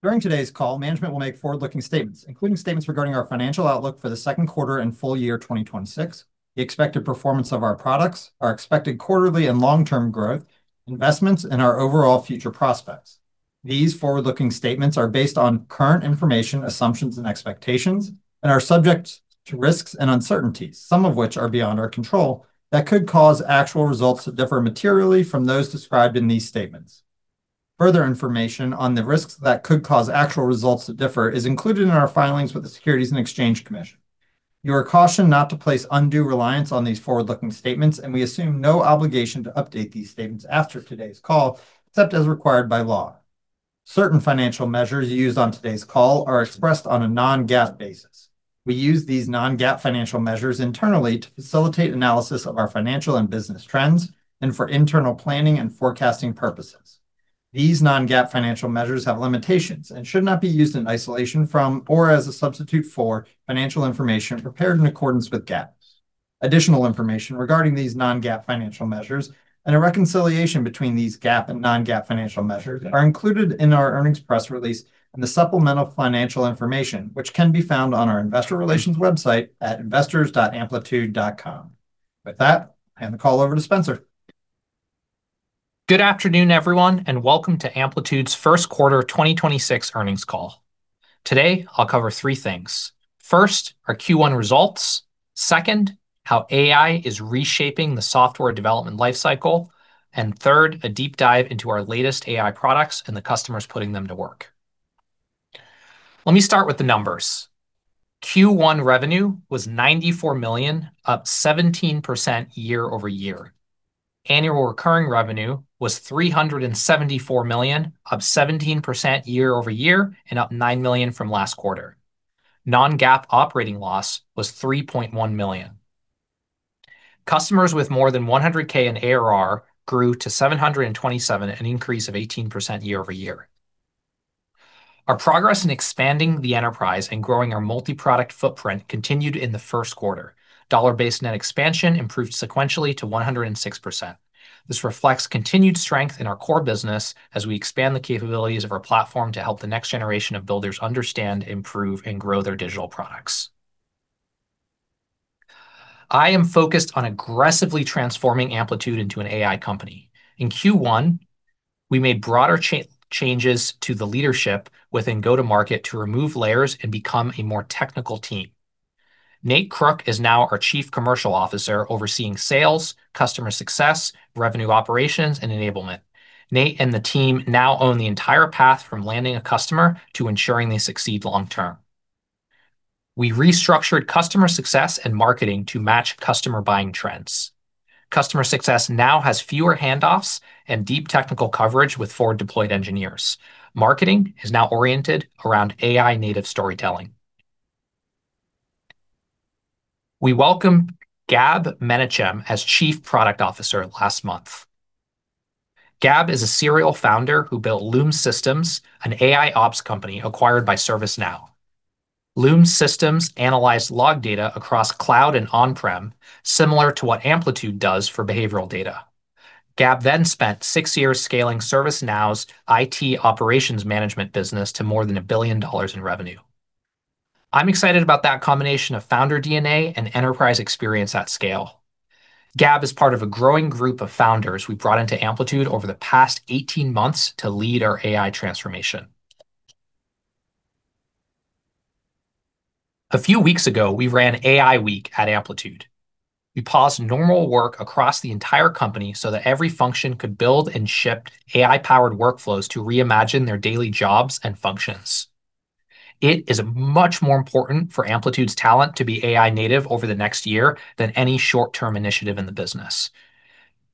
During today's call, management will make forward-looking statements, including statements regarding our financial outlook for the second quarter and full year 2026, the expected performance of our products, our expected quarterly and long-term growth, investments, and our overall future prospects. These forward-looking statements are based on current information, assumptions, and expectations and are subject to risks and uncertainties, some of which are beyond our control, that could cause actual results to differ materially from those described in these statements. Further information on the risks that could cause actual results to differ is included in our filings with the Securities and Exchange Commission. You are cautioned not to place undue reliance on these forward-looking statements, and we assume no obligation to update these statements after today's call, except as required by law. Certain financial measures used on today's call are expressed on a non-GAAP basis. We use these non-GAAP financial measures internally to facilitate analysis of our financial and business trends and for internal planning and forecasting purposes. These non-GAAP financial measures have limitations and should not be used in isolation from or as a substitute for financial information prepared in accordance with GAAP. Additional information regarding these non-GAAP financial measures and a reconciliation between these GAAP and non-GAAP financial measures are included in our earnings press release and the supplemental financial information, which can be found on our investor relations website at investors.amplitude.com. With that, I hand the call over to Spenser. Good afternoon, everyone, and welcome to Amplitude's first quarter 2026 earnings call. Today, I'll cover three things. First, our Q1 results. Second, how AI is reshaping the software development life cycle. Third, a deep dive into our latest AI products and the customers putting them to work. Let me start with the numbers. Q1 revenue was $94 million, up 17% year-over-year. Annual recurring revenue was $374 million, up 17% year-over-year and up $9 million from last quarter. Non-GAAP operating loss was $3.1 million. Customers with more than 100,000 in ARR grew to 727, an increase of 18% year-over-year. Our progress in expanding the enterprise and growing our multi-product footprint continued in the first quarter. Dollar-based net expansion improved sequentially to 106%. This reflects continued strength in our core business as we expand the capabilities of our platform to help the next generation of builders understand, improve, and grow their digital products. I am focused on aggressively transforming Amplitude into an AI company. In Q1, we made broader changes to the leadership within go-to-market to remove layers and become a more technical team. Nate Crook is now our Chief Commercial Officer overseeing sales, customer success, revenue operations, and enablement. Nate and the team now own the entire path from landing a customer to ensuring they succeed long term. We restructured customer success and marketing to match customer buying trends. Customer success now has fewer handoffs and deep technical coverage with forward-deployed engineers. Marketing is now oriented around AI native storytelling. We welcome Gab Menachem as Chief Product Officer last month. Gab is a serial founder who built Loom Systems, an AIOps company acquired by ServiceNow. Loom Systems analyzed log data across cloud and on-prem, similar to what Amplitude does for behavioral data. Gab then spent six years scaling ServiceNow's IT operations management business to more than $1 billion in revenue. I'm excited about that combination of founder DNA and enterprise experience at scale. Gab is part of a growing group of founders we brought into Amplitude over the past 18 months to lead our AI transformation. A few weeks ago, we ran AI Week at Amplitude. We paused normal work across the entire company so that every function could build and ship AI-powered workflows to reimagine their daily jobs and functions. It is much more important for Amplitude's talent to be AI native over the next year than any short-term initiative in the business.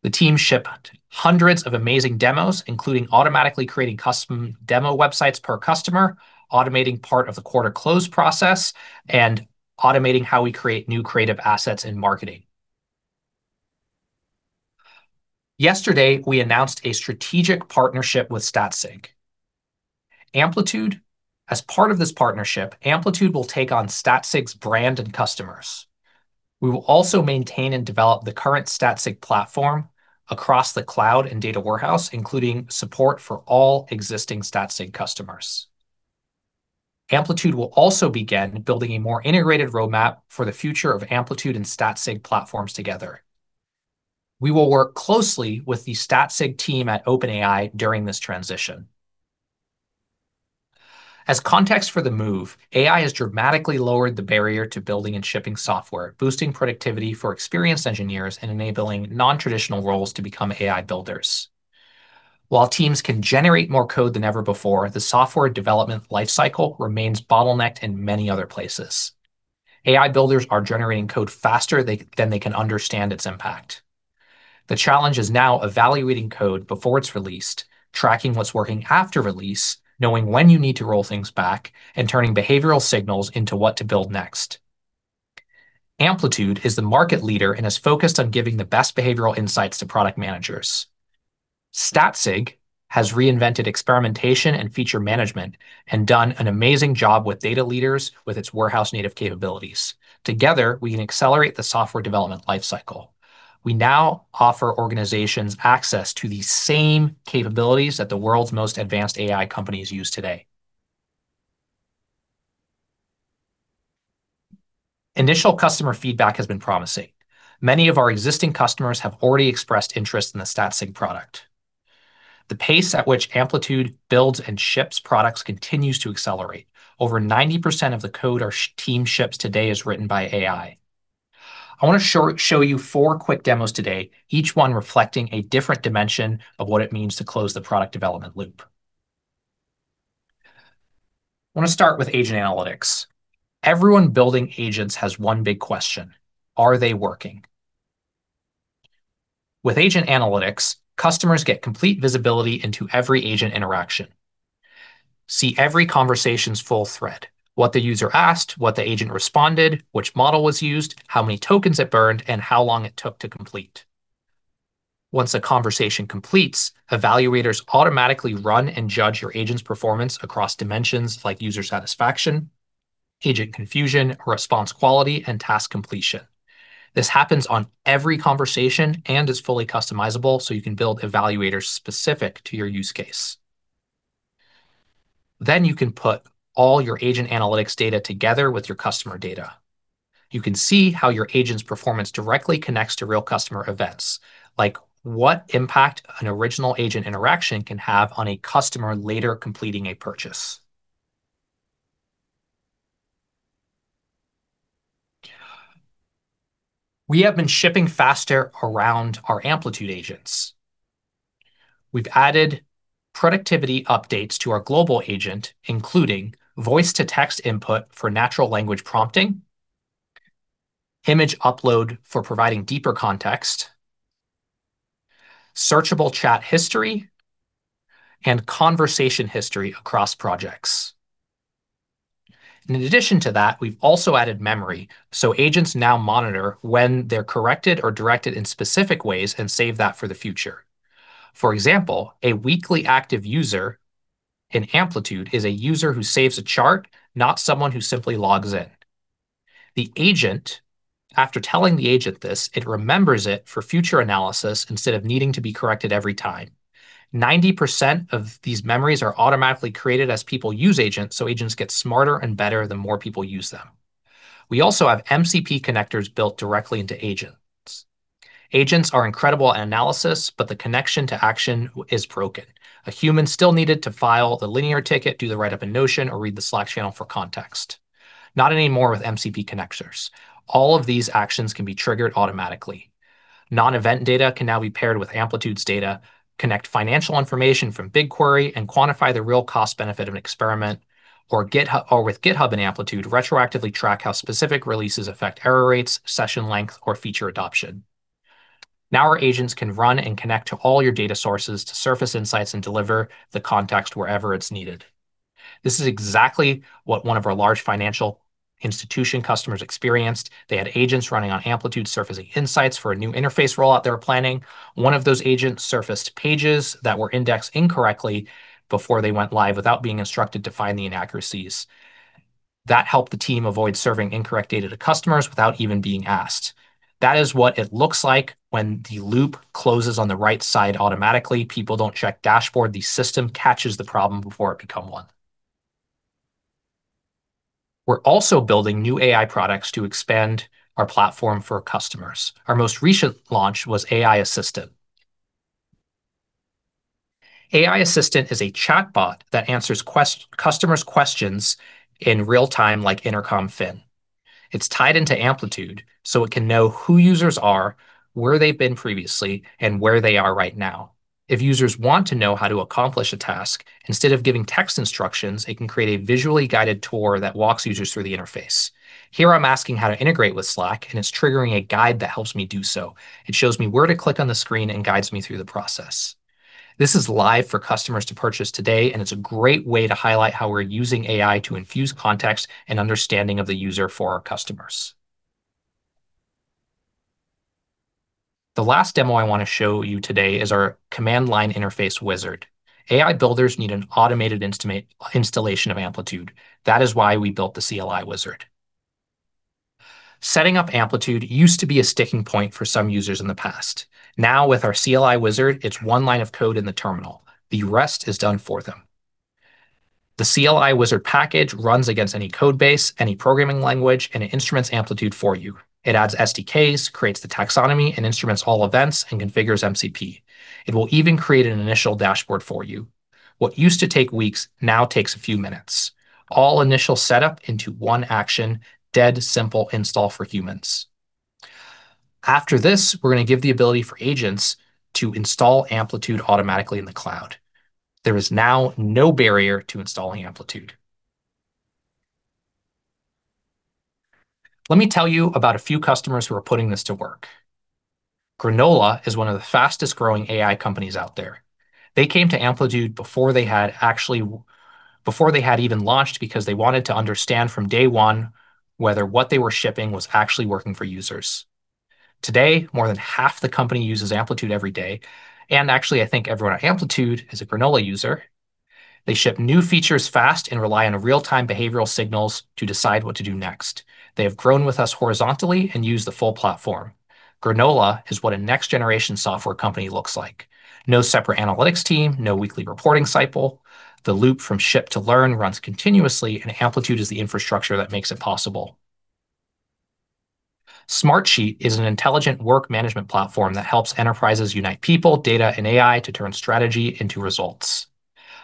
The team shipped hundreds of amazing demos, including automatically creating custom demo websites per customer, automating part of the quarter close process, and automating how we create new creative assets in marketing. Yesterday, we announced a strategic partnership with Statsig. As part of this partnership, Amplitude will take on Statsig's brand and customers. We will also maintain and develop the current Statsig platform across the cloud and data warehouse, including support for all existing Statsig customers. Amplitude will also begin building a more integrated roadmap for the future of Amplitude and Statsig platforms together. We will work closely with the Statsig team at OpenAI during this transition. As context for the move, AI has dramatically lowered the barrier to building and shipping software, boosting productivity for experienced engineers and enabling non-traditional roles to become AI builders. While teams can generate more code than ever before, the software development life cycle remains bottlenecked in many other places. AI builders are generating code faster than they can understand its impact. The challenge is now evaluating code before it's released, tracking what's working after release, knowing when you need to roll things back, and turning behavioral signals into what to build next. Amplitude is the market leader and is focused on giving the best behavioral insights to product managers. Statsig has reinvented experimentation and feature management and done an amazing job with data leaders with its warehouse native capabilities. Together, we can accelerate the software development life cycle. We now offer organizations access to the same capabilities that the world's most advanced AI companies use today. Initial customer feedback has been promising. Many of our existing customers have already expressed interest in the Statsig product. The pace at which Amplitude builds and ships products continues to accelerate. Over 90% of the code our team ships today is written by AI. I wanna show you four quick demos today, each one reflecting a different dimension of what it means to close the product development loop. I wanna start with Agent Analytics. Everyone building agents has one big question: Are they working? With Agent Analytics, customers get complete visibility into every agent interaction, see every conversation's full thread, what the user asked, what the agent responded, which model was used, how many tokens it burned, and how long it took to complete. Once a conversation completes, evaluators automatically run and judge your agent's performance across dimensions like user satisfaction, agent confusion, response quality, and task completion. This happens on every conversation and is fully customizable, so you can build evaluators specific to your use case. You can put all your Agent Analytics data together with your customer data. You can see how your agent's performance directly connects to real customer events, like what impact an original agent interaction can have on a customer later completing a purchase. We have been shipping faster around our Amplitude agents. We've added productivity updates to our Global Agent, including voice-to-text input for natural language prompting, image upload for providing deeper context, searchable chat history, and conversation history across projects. In addition to that, we've also added memory, so agents now monitor when they're corrected or directed in specific ways and save that for the future. For example, a weekly active user in Amplitude is a user who saves a chart, not someone who simply logs in. The agent, after telling the agent this, it remembers it for future analysis instead of needing to be corrected every time. 90% of these memories are automatically created as people use agents. Agents get smarter and better the more people use them. We also have MCP connectors built directly into agents. Agents are incredible at analysis, but the connection to action is broken. A human's still needed to file the Linear ticket, do the write-up in Notion, or read the Slack channel for context. Not anymore with MCP connectors. All of these actions can be triggered automatically. Non-event data can now be paired with Amplitude's data, connect financial information from BigQuery, and quantify the real cost benefit of an experiment, or with GitHub and Amplitude, retroactively track how specific releases affect error rates, session length, or feature adoption. Now our agents can run and connect to all your data sources to surface insights and deliver the context wherever it's needed. This is exactly what one of our large financial institution customers experienced. They had agents running on Amplitude surfacing insights for a new interface rollout they were planning. One of those agents surfaced pages that were indexed incorrectly before they went live without being instructed to find the inaccuracies. That helped the team avoid serving incorrect data to customers without even being asked. That is what it looks like when the loop closes on the right side automatically. People don't check dashboard. The system catches the problem before it become one. We're also building new AI products to expand our platform for customers. Our most recent launch was AI Assistant. AI Assistant is a chatbot that answers customers' questions in real time, like Intercom Fin. It's tied into Amplitude. It can know who users are, where they've been previously, and where they are right now. If users want to know how to accomplish a task, instead of giving text instructions, it can create a visually guided tour that walks users through the interface. Here I'm asking how to integrate with Slack. It's triggering a guide that helps me do so. It shows me where to click on the screen and guides me through the process. This is live for customers to purchase today. It's a great way to highlight how we're using AI to infuse context and understanding of the user for our customers. The last demo I wanna show you today is our command line interface wizard. AI builders need an automated installation of Amplitude. That is why we built the CLI Wizard. Setting up Amplitude used to be a sticking point for some users in the past. Now, with our CLI Wizard, it's one line of code in the terminal. The rest is done for them. The CLI Wizard package runs against any code base, any programming language, and it instruments Amplitude for you. It adds SDKs, creates the taxonomy, and instruments all events, and configures MCP. It will even create an initial dashboard for you. What used to take weeks now takes a few minutes. All initial setup into one action. Dead simple install for humans. After this, we're gonna give the ability for agents to install Amplitude automatically in the cloud. There is now no barrier to installing Amplitude. Let me tell you about a few customers who are putting this to work. Granola is one of the fastest-growing AI companies out there. They came to Amplitude before they had actually before they had even launched because they wanted to understand from day one whether what they were shipping was actually working for users. Today, more than half the company uses Amplitude every day, and actually, I think everyone at Amplitude is a Granola user. They ship new features fast and rely on real-time behavioral signals to decide what to do next. They have grown with us horizontally and use the full platform. Granola is what a next-generation software company looks like. No separate analytics team, no weekly reporting cycle. The loop from ship to learn runs continuously, and Amplitude is the infrastructure that makes it possible. Smartsheet is an intelligent work management platform that helps enterprises unite people, data, and AI to turn strategy into results.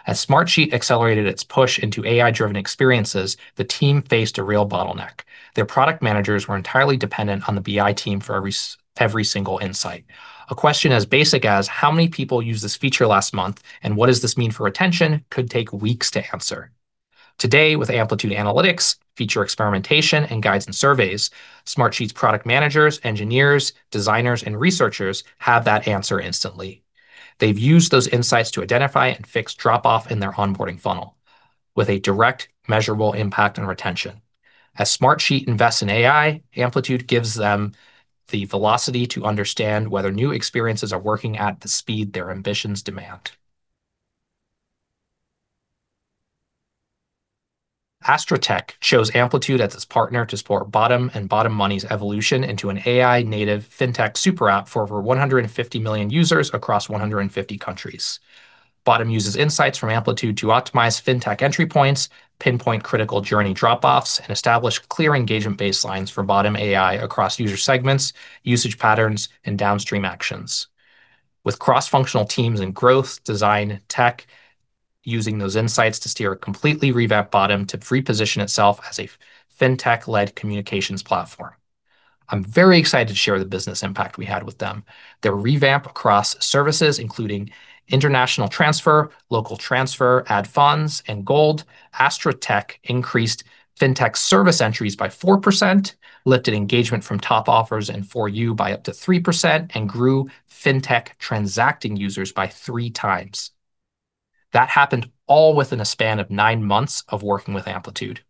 As Smartsheet accelerated its push into AI-driven experiences, the team faced a real bottleneck. Their product managers were entirely dependent on the BI team for every single insight. A question as basic as, "How many people used this feature last month, and what does this mean for retention?" could take weeks to answer. Today, with Amplitude Analytics, feature experimentation, and guides and surveys, Smartsheet's product managers, engineers, designers, and researchers have that answer instantly. They've used those insights to identify and fix drop-off in their onboarding funnel with a direct measurable impact on retention. As Smartsheet invests in AI, Amplitude gives them the velocity to understand whether new experiences are working at the speed their ambitions demand. Astra Tech chose Amplitude as its partner to support Botim and Botim Money's evolution into an AI native fintech super app for over 150 million users across 150 countries. Botim uses insights from Amplitude to optimize fintech entry points, pinpoint critical journey drop-offs, and establish clear engagement baselines for Botim AI across user segments, usage patterns, and downstream actions. With cross-functional teams and growth design tech using those insights to steer a completely revamped Botim to free position itself as a fintech-led communications platform. I'm very excited to share the business impact we had with them. Their revamp across services, including international transfer, local transfer, add funds, and gold, Astra Tech increased fintech service entries by 4%, lifted engagement from top offers and for you by up to 3%, and grew fintech transacting users by three times. That happened all within a span of nine months of working with Amplitude.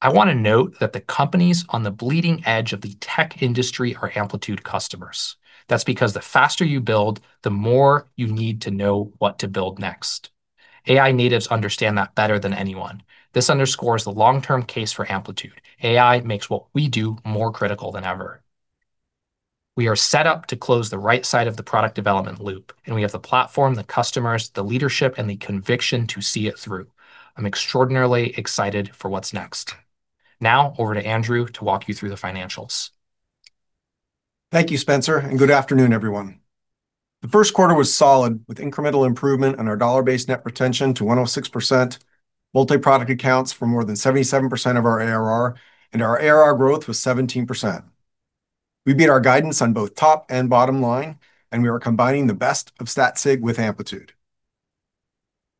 I wanna note that the companies on the bleeding edge of the tech industry are Amplitude customers. That's because the faster you build, the more you need to know what to build next. AI natives understand that better than anyone. This underscores the long-term case for Amplitude. AI makes what we do more critical than ever. We are set up to close the right side of the product development loop, and we have the platform, the customers, the leadership, and the conviction to see it through. I'm extraordinarily excited for what's next. Now over to Andrew to walk you through the financials. Thank you, Spenser, and good afternoon, everyone. The first quarter was solid with incremental improvement on our dollar-based net retention to 106%, multi-product accounts for more than 77% of our ARR, and our ARR growth was 17%. We beat our guidance on both top and bottom line, and we are combining the best of Statsig with Amplitude.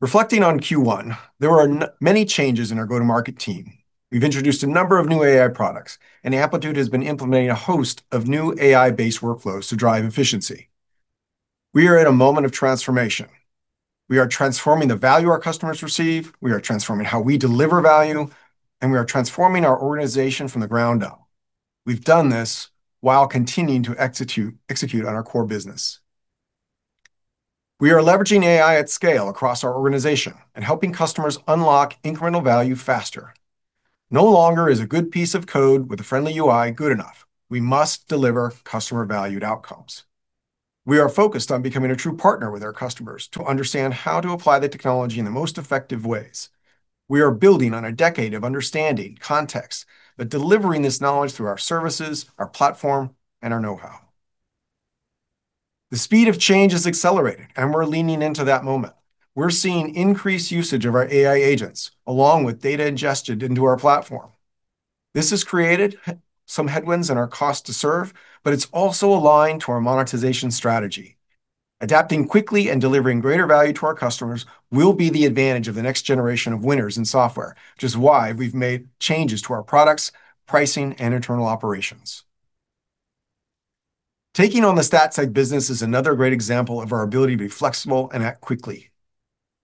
Reflecting on Q1, there were many changes in our go-to-market team. We've introduced a number of new AI products, and Amplitude has been implementing a host of new AI-based workflows to drive efficiency. We are at a moment of transformation. We are transforming the value our customers receive, we are transforming how we deliver value, and we are transforming our organization from the ground up. We've done this while continuing to execute on our core business. We are leveraging AI at scale across our organization and helping customers unlock incremental value faster. No longer is a good piece of code with a friendly UI good enough. We must deliver customer valued outcomes. We are focused on becoming a true partner with our customers to understand how to apply the technology in the most effective ways. We are building on a decade of understanding context, but delivering this knowledge through our services, our platform, and our know-how. The speed of change has accelerated, and we're leaning into that moment. We're seeing increased usage of our AI agents along with data ingested into our platform. This has created some headwinds in our cost to serve, but it's also aligned to our monetization strategy. Adapting quickly and delivering greater value to our customers will be the advantage of the next generation of winners in software, which is why we've made changes to our products, pricing, and internal operations. Taking on the Statsig business is another great example of our ability to be flexible and act quickly.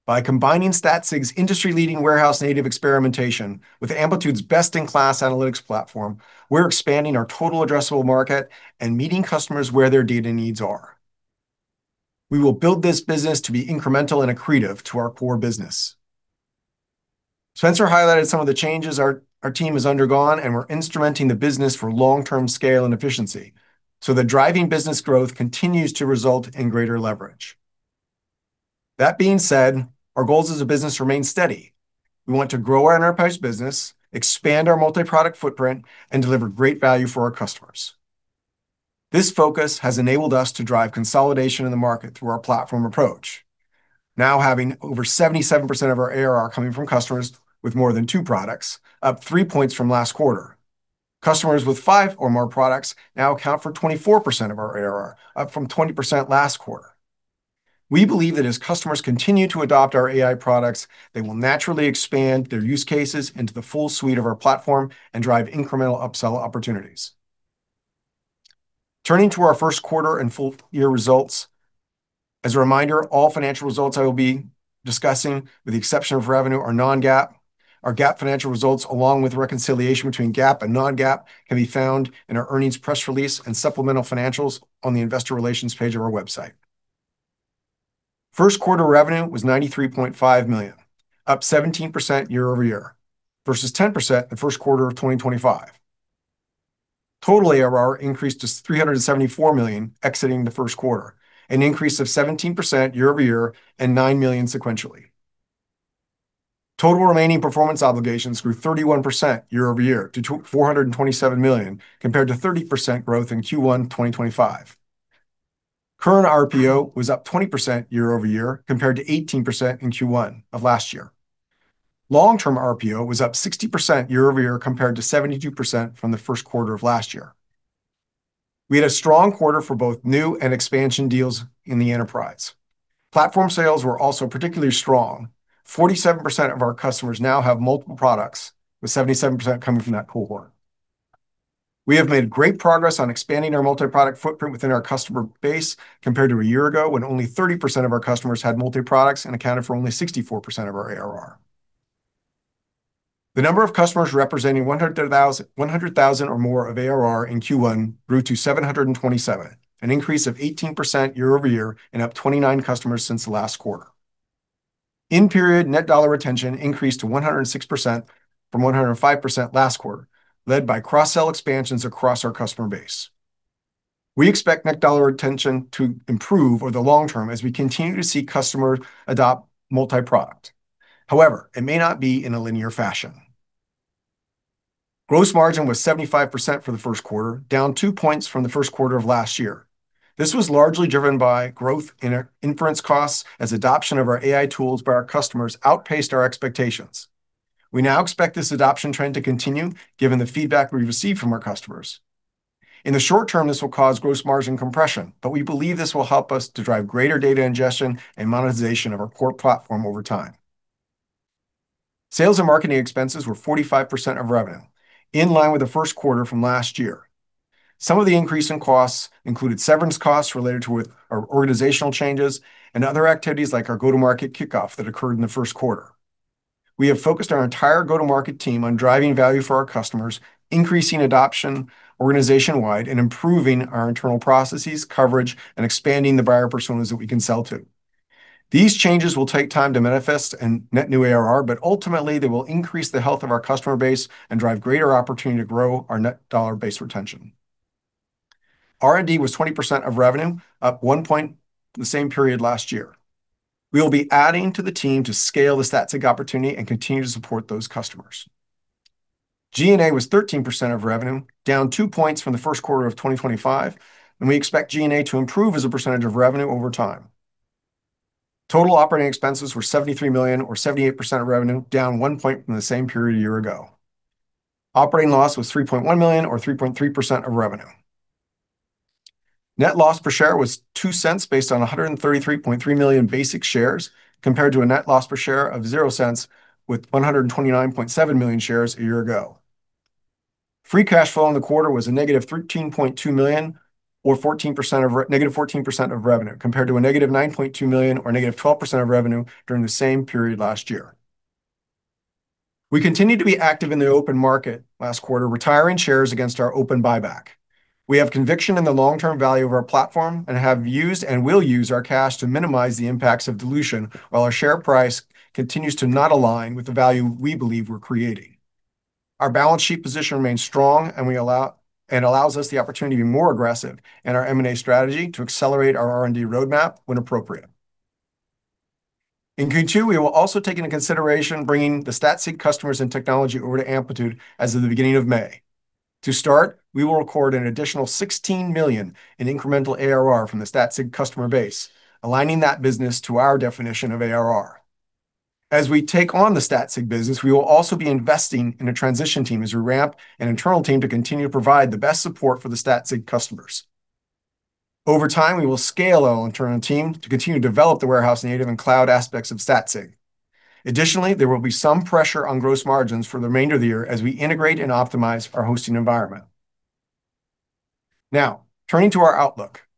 By combining Statsig's industry-leading warehouse native experimentation with Amplitude's best-in-class analytics platform, we're expanding our total addressable market and meeting customers where their data needs are. We will build this business to be incremental and accretive to our core business. Spenser highlighted some of the changes our team has undergone, we're instrumenting the business for long-term scale and efficiency so that driving business growth continues to result in greater leverage. That being said, our goals as a business remain steady. We want to grow our enterprise business, expand our multi-product footprint, and deliver great value for our customers. This focus has enabled us to drive consolidation in the market through our platform approach. Now having over 77% of our ARR coming from customers with more than two products, up three points from last quarter. Customers with five or more products now account for 24% of our ARR, up from 20% last quarter. We believe that as customers continue to adopt our AI products, they will naturally expand their use cases into the full suite of our platform and drive incremental upsell opportunities. Turning to our first quarter and full year results. As a reminder, all financial results I will be discussing, with the exception of revenue, are non-GAAP. Our GAAP financial results, along with reconciliation between GAAP and non-GAAP, can be found in our earnings press release and supplemental financials on the investor relations page of our website. First quarter revenue was $93.5 million, up 17% year-over-year, versus 10% the first quarter of 2025. Total ARR increased to $374 million exiting the first quarter, an increase of 17% year-over-year and $9 million sequentially. Total remaining performance obligations grew 31% year-over-year to $427 million, compared to 30% growth in Q1 2025. Current RPO was up 20% year-over-year, compared to 18% in Q1 of last year. Long-term RPO was up 60% year-over-year, compared to 72% from the first quarter of last year. We had a strong quarter for both new and expansion deals in the enterprise. Platform sales were also particularly strong. 47% of our customers now have multiple products, with 77% coming from that cohort. We have made great progress on expanding our multi-product footprint within our customer base compared to a year ago, when only 30% of our customers had multi-products and accounted for only 64% of our ARR. The number of customers representing 100,000 or more of ARR in Q1 grew to 727, an increase of 18% year-over-year and up 29 customers since the last quarter. In-period net dollar retention increased to 106% from 105% last quarter, led by cross-sell expansions across our customer base. We expect net dollar retention to improve over the long term as we continue to see customers adopt multi-product. However, it may not be in a linear fashion. Gross margin was 75% for the first quarter, down two points from the first quarter of last year. This was largely driven by growth in our inference costs as adoption of our AI tools by our customers outpaced our expectations. We now expect this adoption trend to continue given the feedback we've received from our customers. In the short term, this will cause gross margin compression, but we believe this will help us to drive greater data ingestion and monetization of our core platform over time. Sales and marketing expenses were 45% of revenue, in line with the first quarter from last year. Some of the increase in costs included severance costs related to our organizational changes and other activities like our go-to-market kickoff that occurred in the first quarter. We have focused our entire go-to-market team on driving value for our customers, increasing adoption organization-wide, and improving our internal processes, coverage, and expanding the buyer personas that we can sell to. These changes will take time to manifest and net new ARR, but ultimately, they will increase the health of our customer base and drive greater opportunity to grow our net dollar base retention. R&D was 20% of revenue, up one point the same period last year. We will be adding to the team to scale the Statsig opportunity and continue to support those customers. G&A was 13% of revenue, down two points from the first quarter of 2025. We expect G&A to improve as a percentage of revenue over time. Total operating expenses were $73 million or 78% of revenue, down one point from the same period a year ago. Operating loss was $3.1 million or 3.3% of revenue. Net loss per share was $0.02 based on 133.3 million basic shares, compared to a net loss per share of $0.00 with 129.7 million shares a year ago. Free cash flow in the quarter was a -$13.2 million or -14% of revenue, compared to a -$9.2 million or -12% of revenue during the same period last year. We continued to be active in the open market last quarter, retiring shares against our open buyback. We have conviction in the long-term value of our platform and have used and will use our cash to minimize the impacts of dilution while our share price continues to not align with the value we believe we're creating. Our balance sheet position remains strong, allows us the opportunity to be more aggressive in our M&A strategy to accelerate our R&D roadmap when appropriate. In Q2, we will also take into consideration bringing the Statsig customers and technology over to Amplitude as of the beginning of May. To start, we will record an additional $16 million in incremental ARR from the Statsig customer base, aligning that business to our definition of ARR. As we take on the Statsig business, we will also be investing in a transition team as we ramp an internal team to continue to provide the best support for the Statsig customers. Over time, we will scale our internal team to continue to develop the warehouse-native and cloud aspects of Statsig. Additionally, there will be some pressure on gross margins for the remainder of the year as we integrate and optimize our hosting environment. Now, turning to our outlook.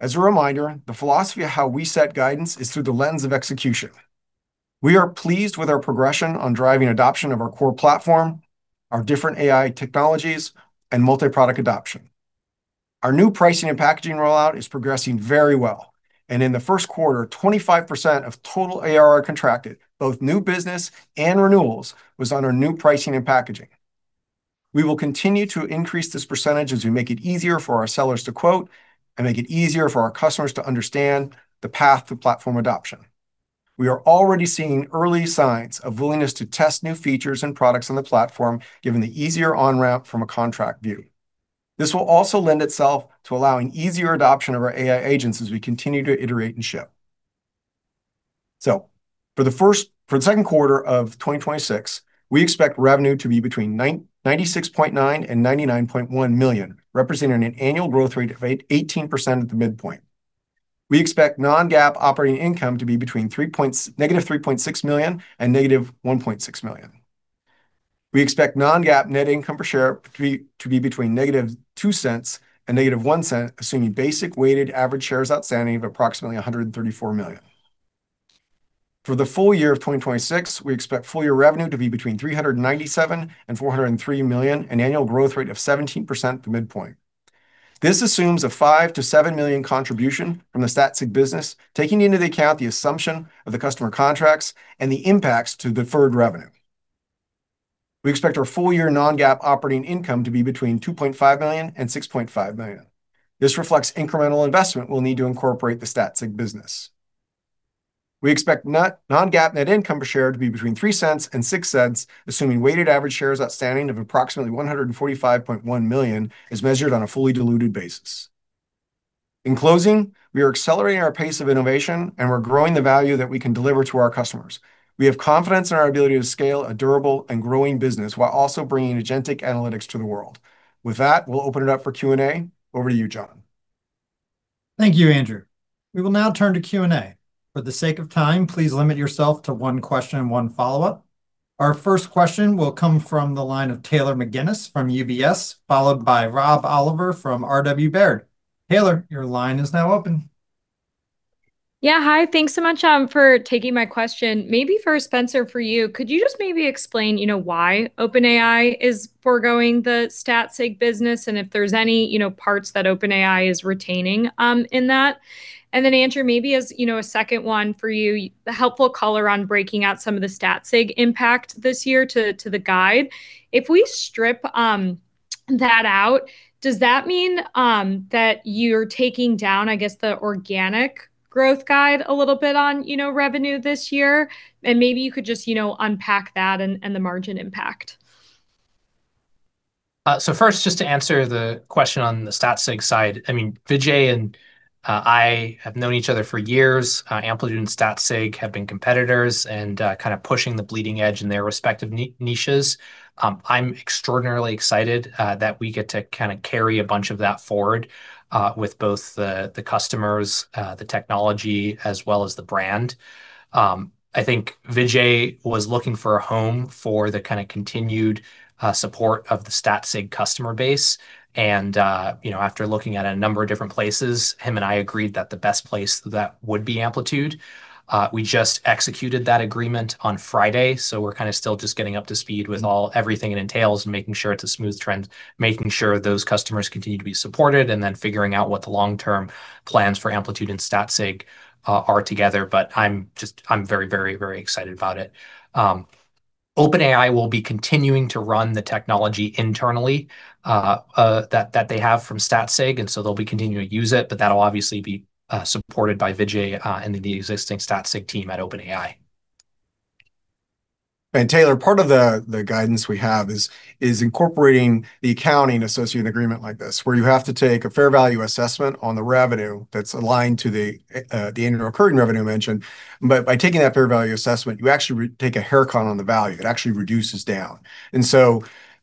As a reminder, the philosophy of how we set guidance is through the lens of execution. We are pleased with our progression on driving adoption of our core platform, our different AI technologies, and multi-product adoption. Our new pricing and packaging rollout is progressing very well. In the first quarter, 25% of total ARR contracted, both new business and renewals, was under new pricing and packaging. We will continue to increase this percentage as we make it easier for our sellers to quote and make it easier for our customers to understand the path to platform adoption. We are already seeing early signs of willingness to test new features and products on the platform, given the easier on-ramp from a contract view. This will also lend itself to allowing easier adoption of our AI agents as we continue to iterate and ship. For the second quarter of 2026, we expect revenue to be between $96.9 million and $99.1 million, representing an annual growth rate of 18% at the midpoint. We expect non-GAAP operating income to be between -$3.6 million and -$1.6 million. We expect non-GAAP net income per share to be between -$0.02 and -$0.01, assuming basic weighted average shares outstanding of approximately 134 million. For the full year of 2026, we expect full-year revenue to be between $397 million and $403 million, an annual growth rate of 17% at the midpoint. This assumes a $5 million-$7 million contribution from the Statsig business, taking into the account the assumption of the customer contracts and the impacts to deferred revenue. We expect our full-year non-GAAP operating income to be between $2.5 million and $6.5 million. This reflects incremental investment we'll need to incorporate the Statsig business. We expect non-GAAP net income per share to be between $0.03 and $0.06, assuming weighted average shares outstanding of approximately 145.1 million as measured on a fully diluted basis. In closing, we are accelerating our pace of innovation, and we're growing the value that we can deliver to our customers. We have confidence in our ability to scale a durable and growing business while also bringing Agent Analytics to the world. With that, we'll open it up for Q&A. Over to you, John. Thank you, Andrew. We will now turn to Q&A. For the sake of time, please limit yourself to one question and one follow-up. Our first question will come from the line of Taylor McGinnis from UBS, followed by Rob Oliver from RW Baird. Taylor, your line is now open. Yeah, hi. Thanks so much for taking my question. Maybe for Spenser, for you, could you just maybe explain why OpenAI is foregoing the Statsig business and if there's any parts that OpenAI is retaining in that? Andrew, maybe as a second one for you, a helpful color on breaking out some of the Statsig impact this year to the guide. If we strip that out, does that mean that you're taking down, I guess, the organic growth guide a little bit on revenue this year? Maybe you could just unpack that and the margin impact. First, just to answer the question on the Statsig side, I mean, Vijaye and I have known each other for years. Amplitude and Statsig have been competitors and kind of pushing the bleeding edge in their respective niches. I'm extraordinarily excited that we get to kind of carry a bunch of that forward with both the customers, the technology, as well as the brand. I think Vijaye was looking for a home for the kind of continued support of the Statsig customer base, and, you know, after looking at a number of different places, him and I agreed that the best place would be Amplitude. We just executed that agreement on Friday, so we're kind of still just getting up to speed with everything it entails and making sure it's a smooth trend, making sure those customers continue to be supported, and then figuring out what the long-term plans for Amplitude and Statsig are together. I'm very, very, very excited about it. OpenAI will be continuing to run the technology internally, that they have from Statsig, and so they'll be continuing to use it, but that'll obviously be supported by Vijaye and the existing Statsig team at OpenAI. Taylor, part of the guidance we have is incorporating the accounting associated with an agreement like this, where you have to take a fair value assessment on the revenue that's aligned to the annual recurring revenue I mentioned. By taking that fair value assessment, you actually take a hair cut on the value. It actually reduces down.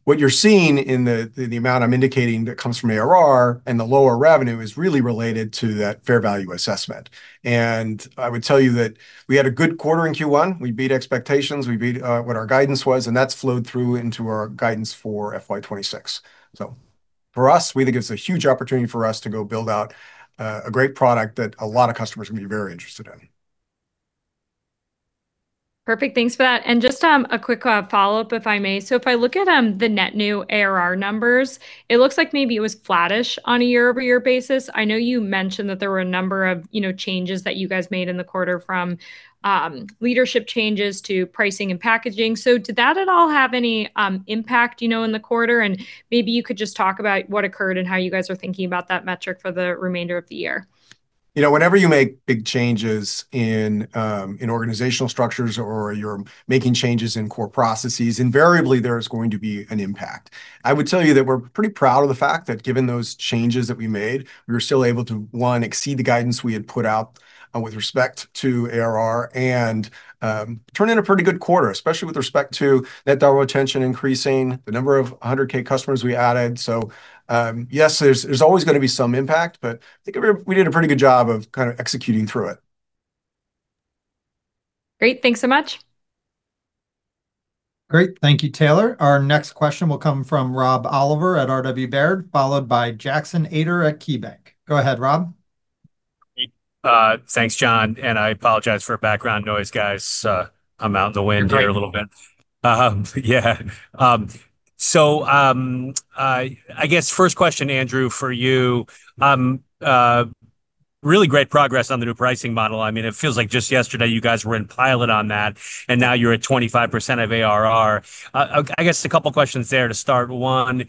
What you're seeing in the amount I'm indicating that comes from ARR and the lower revenue is really related to that fair value assessment. I would tell you that we had a good quarter in Q1. We beat expectations. We beat what our guidance was, and that's flowed through into our guidance for FY 2026. For us, we think it's a huge opportunity for us to go build out a great product that a lot of customers are gonna be very interested in. Perfect. Thanks for that. Just a quick follow-up, if I may. If I look at the net new ARR numbers, it looks like maybe it was flattish on a year-over-year basis. I know you mentioned that there were a number of, you know, changes that you guys made in the quarter from leadership changes to pricing and packaging. Did that at all have any impact, you know, in the quarter? Maybe you could just talk about what occurred and how you guys are thinking about that metric for the remainder of the year. You know, whenever you make big changes in organizational structures or you're making changes in core processes, invariably there is going to be an impact. I would tell you that we're pretty proud of the fact that given those changes that we made, we were still able to, one, exceed the guidance we had put out with respect to ARR, and turn in a pretty good quarter, especially with respect to net dollar retention increasing, the number of 100,000 customers we added. Yes, there's always gonna be some impact, but I think we did a pretty good job of kind of executing through it. Great. Thanks so much. Great. Thank you, Taylor. Our next question will come from Rob Oliver at RW Baird, followed by Jackson Ader at KeyBanc. Go ahead, Rob. Thanks, John, and I apologize for background noise, guys. I'm out in the wind here a little bit. You're great. Yeah. I guess first question, Andrew, for you, really great progress on the new pricing model. I mean, it feels like just yesterday you guys were in pilot on that, and now you're at 25% of ARR. I guess a couple questions there to start. One,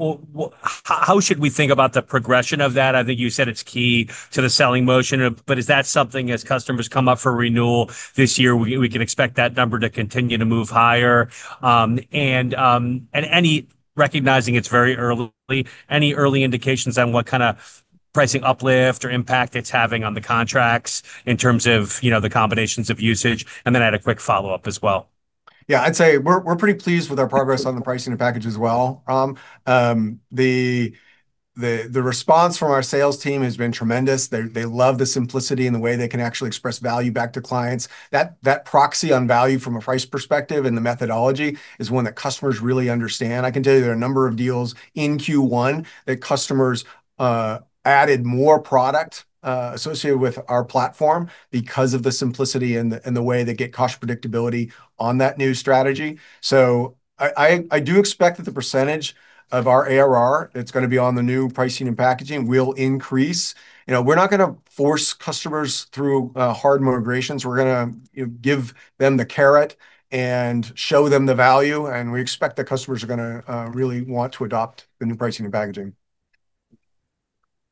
you know, how should we think about the progression of that? I think you said it's key to the selling motion. Is that something, as customers come up for renewal this year, we can expect that number to continue to move higher? Recognizing it's very early, any early indications on what kind of pricing uplift or impact it's having on the contracts in terms of, you know, the combinations of usage? I had a quick follow-up as well. I'd say we're pretty pleased with our progress on the pricing and package as well, Rob. The response from our sales team has been tremendous. They love the simplicity and the way they can actually express value back to clients. That proxy on value from a price perspective and the methodology is one that customers really understand. I can tell you there are a number of deals in Q1 that customers added more product associated with our platform because of the simplicity and the way they get cost predictability on that new strategy. I do expect that the percentage of our ARR that's gonna be on the new pricing and packaging will increase. You know, we're not gonna force customers through hard migrations. We're gonna give them the carrot and show them the value, and we expect that customers are gonna really want to adopt the new pricing and packaging.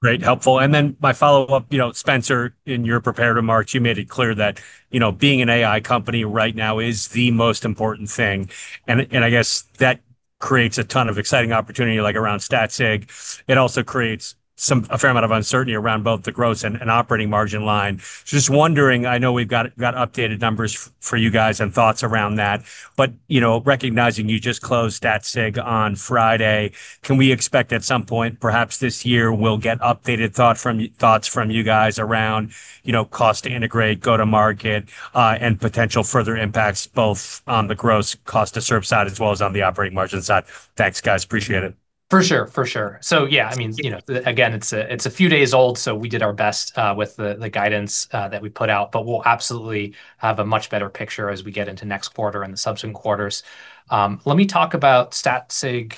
Great, helpful. My follow-up, you know, Spenser, in your prepared remarks, you made it clear that, you know, being an AI company right now is the most important thing. I guess that creates a ton of exciting opportunity, like around Statsig. It also creates a fair amount of uncertainty around both the gross and operating margin line. Just wondering, I know we've got updated numbers for you guys and thoughts around that, but, you know, recognizing you just closed Statsig on Friday, can we expect at some point, perhaps this year, we'll get updated thoughts from you guys around, you know, cost to integrate, go-to-market, and potential further impacts both on the gross cost to serve side as well as on the operating margin side? Thanks, guys. Appreciate it. For sure. For sure. I mean, you know, again, it's a few days old, so we did our best with the guidance that we put out, but we'll absolutely have a much better picture as we get into next quarter and the subsequent quarters. Let me talk about Statsig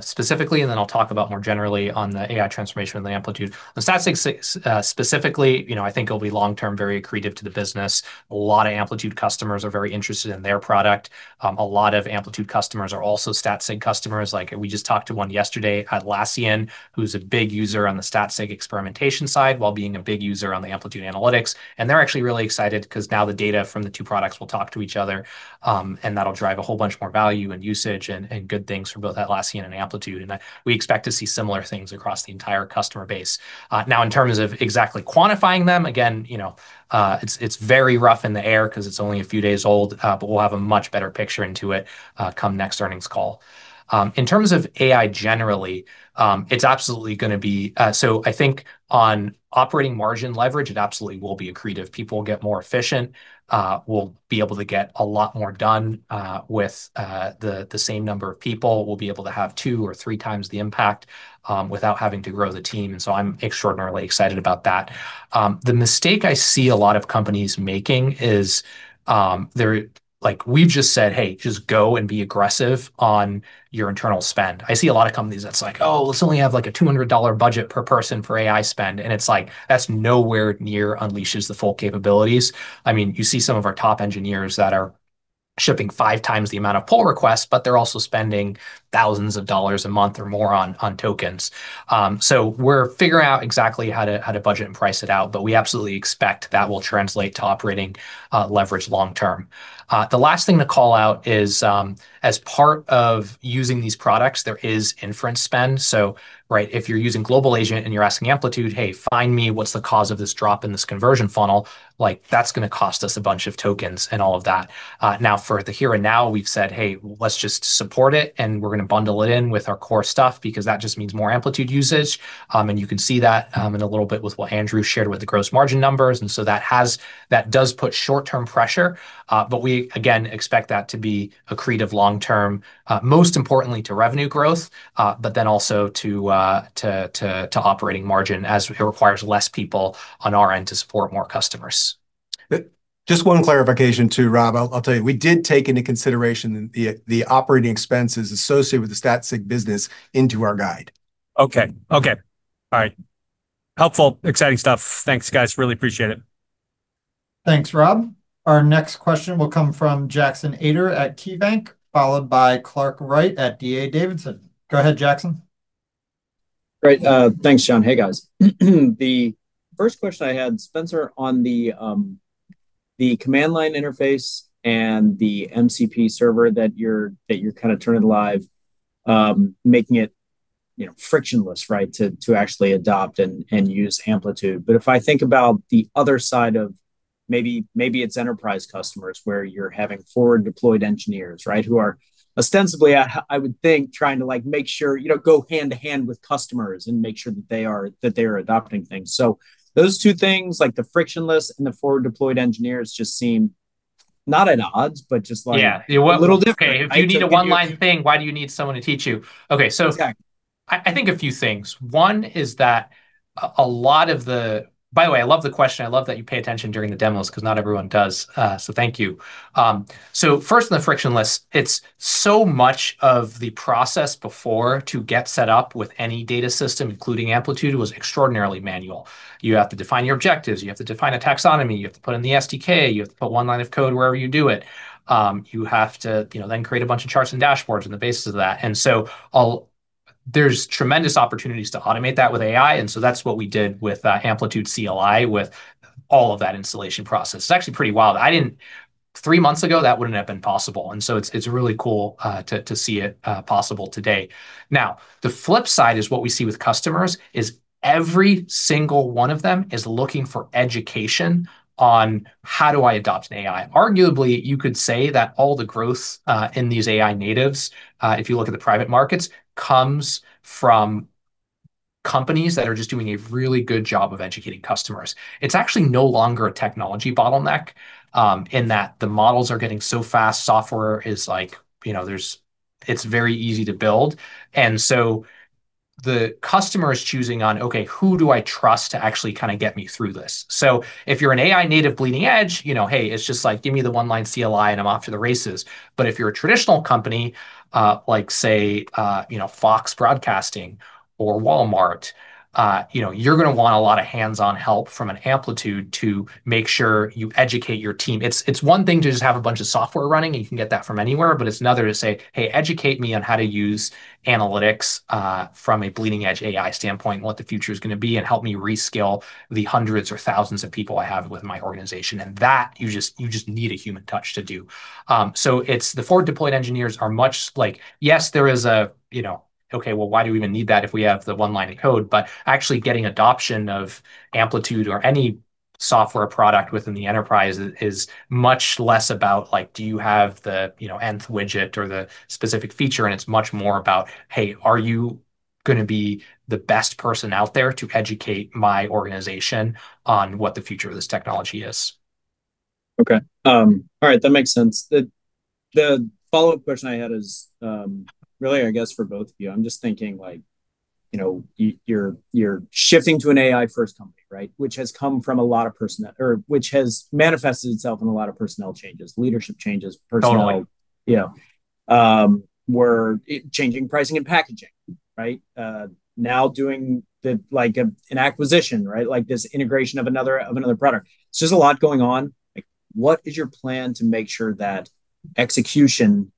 specifically, and then I'll talk about more generally on the AI transformation and Amplitude. On Statsig specifically, you know, I think it'll be long-term very accretive to the business. A lot of Amplitude customers are very interested in their product. A lot of Amplitude customers are also Statsig customers. Like, we just talked to one yesterday, Atlassian, who's a big user on the Statsig experimentation side while being a big user on the Amplitude analytics. They're actually really excited, because now the data from the two products will talk to each other, and that'll drive a whole bunch more value in usage and good things for both Atlassian and Amplitude. We expect to see similar things across the entire customer base. Now in terms of exactly quantifying them, again, you know, it's very rough in the air because it's only a few days old, but we'll have a much better picture into it, come next earnings call. In terms of AI generally, on operating margin leverage, it absolutely will be accretive. People will get more efficient, we'll be able to get a lot more done with the same number of people. We'll be able to have two or three times the impact without having to grow the team. I'm extraordinarily excited about that. The mistake I see a lot of companies making is, Like we've just said, "Hey, just go and be aggressive on your internal spend." I see a lot of companies that's like, "Oh, let's only have like a $200 budget per person for AI spend." It's like that's nowhere near unleashes the full capabilities. I mean, you see some of our top engineers that are shipping five times the amount of pull requests, but they're also spending thousands of dollars a month or more on tokens. We're figuring out exactly how to budget and price it out, but we absolutely expect that will translate to operating leverage long term. The last thing to call out is, as part of using these products, there is inference spend. Right? If you're using Global Agent and you're asking Amplitude, "Hey, find me what's the cause of this drop in this conversion funnel." Like, that's gonna cost us a bunch of tokens and all of that. Now for the here and now we've said, "Hey, let's just support it, and we're gonna bundle it in with our core stuff because that just means more Amplitude usage." You can see that, in a little bit with what Andrew shared with the gross margin numbers. That does put short-term pressure, but we again expect that to be accretive long term, most importantly to revenue growth, but then also to operating margin as it requires less people on our end to support more customers. Just one clarification too, Rob. I'll tell you. We did take into consideration the operating expenses associated with the Statsig business into our guide. Okay. Okay. All right. Helpful. Exciting stuff. Thanks, guys. Really appreciate it. Thanks, Rob. Our next question will come from Jackson Ader at KeyBanc, followed by Clark Wright at D.A. Davidson. Go ahead, Jackson. Great. Thanks, John. Hey, guys. The first question I had, Spenser, on the command line interface and the MCP server that you're kinda turning live, making it, you know, frictionless, right, to actually adopt and use Amplitude? If I think about the other side of maybe it's enterprise customers where you're having forward deployed engineers, right? Who are ostensibly, I would think, trying to, like, make sure, you know, go hand in hand with customers and make sure that they are adopting things. Those two things, like the frictionless and the forward deployed engineers just seem not at odds, but just like. Yeah a little different. Okay. If you need a one line thing, why do you need someone to teach you? Okay. Exactly I think a few things. By the way, I love the question. I love that you pay attention during the demos, because not everyone does. Thank you. First on the frictionless, it's so much of the process before to get set up with any data system, including Amplitude, was extraordinarily manual. You have to define your objectives. You have to define a taxonomy. You have to put in the SDK. You have to put one line of code wherever you do it. You have to, you know, create a bunch of charts and dashboards on the basis of that. There's tremendous opportunities to automate that with AI, that's what we did with Amplitude CLI with all of that installation process. It's actually pretty wild. Three months ago, that wouldn't have been possible, it's really cool to see it possible today. The flip side is what we see with customers is every single one of them is looking for education on how do I adopt an AI. Arguably, you could say that all the growth in these AI natives, if you look at the private markets, comes from companies that are just doing a really good job of educating customers. It's actually no longer a technology bottleneck, in that the models are getting so fast, software is like, you know, it's very easy to build. The customer is choosing on, okay, who do I trust to actually kinda get me through this? If you're an AI native bleeding edge, you know, hey, it's just like, "Give me the one-line CLI and I'm off to the races." If you're a traditional company, like, say, you know, Fox Broadcasting or Walmart, you're gonna want a lot of hands-on help from an Amplitude to make sure you educate your team. It's one thing to just have a bunch of software running, and you can get that from anywhere, but it's another to say, "Hey, educate me on how to use analytics, from a bleeding edge AI standpoint and what the future's gonna be, and help me reskill the hundred of thousands of people I have with my organization." That, you just need a human touch to do. The forward deployed engineers are much like, yes, there is a, you know, okay, well, why do we even need that if we have the one line of code? Actually getting adoption of Amplitude or any software product within the enterprise is much less about, like, do you have the, you know, nth widget or the specific feature, and it's much more about, hey, are you gonna be the best person out there to educate my organization on what the future of this technology is. Okay. All right, that makes sense. The follow-up question I had is really, I guess, for both of you. I'm just thinking, like, you know, you're shifting to an AI first company, right? Which has come from a lot of which has manifested itself in a lot of personnel changes, leadership changes. Totally You know. We're changing pricing and packaging, right? Now doing the, like, an acquisition, right? This integration of another product. There's a lot going on. What is your plan to make sure that execution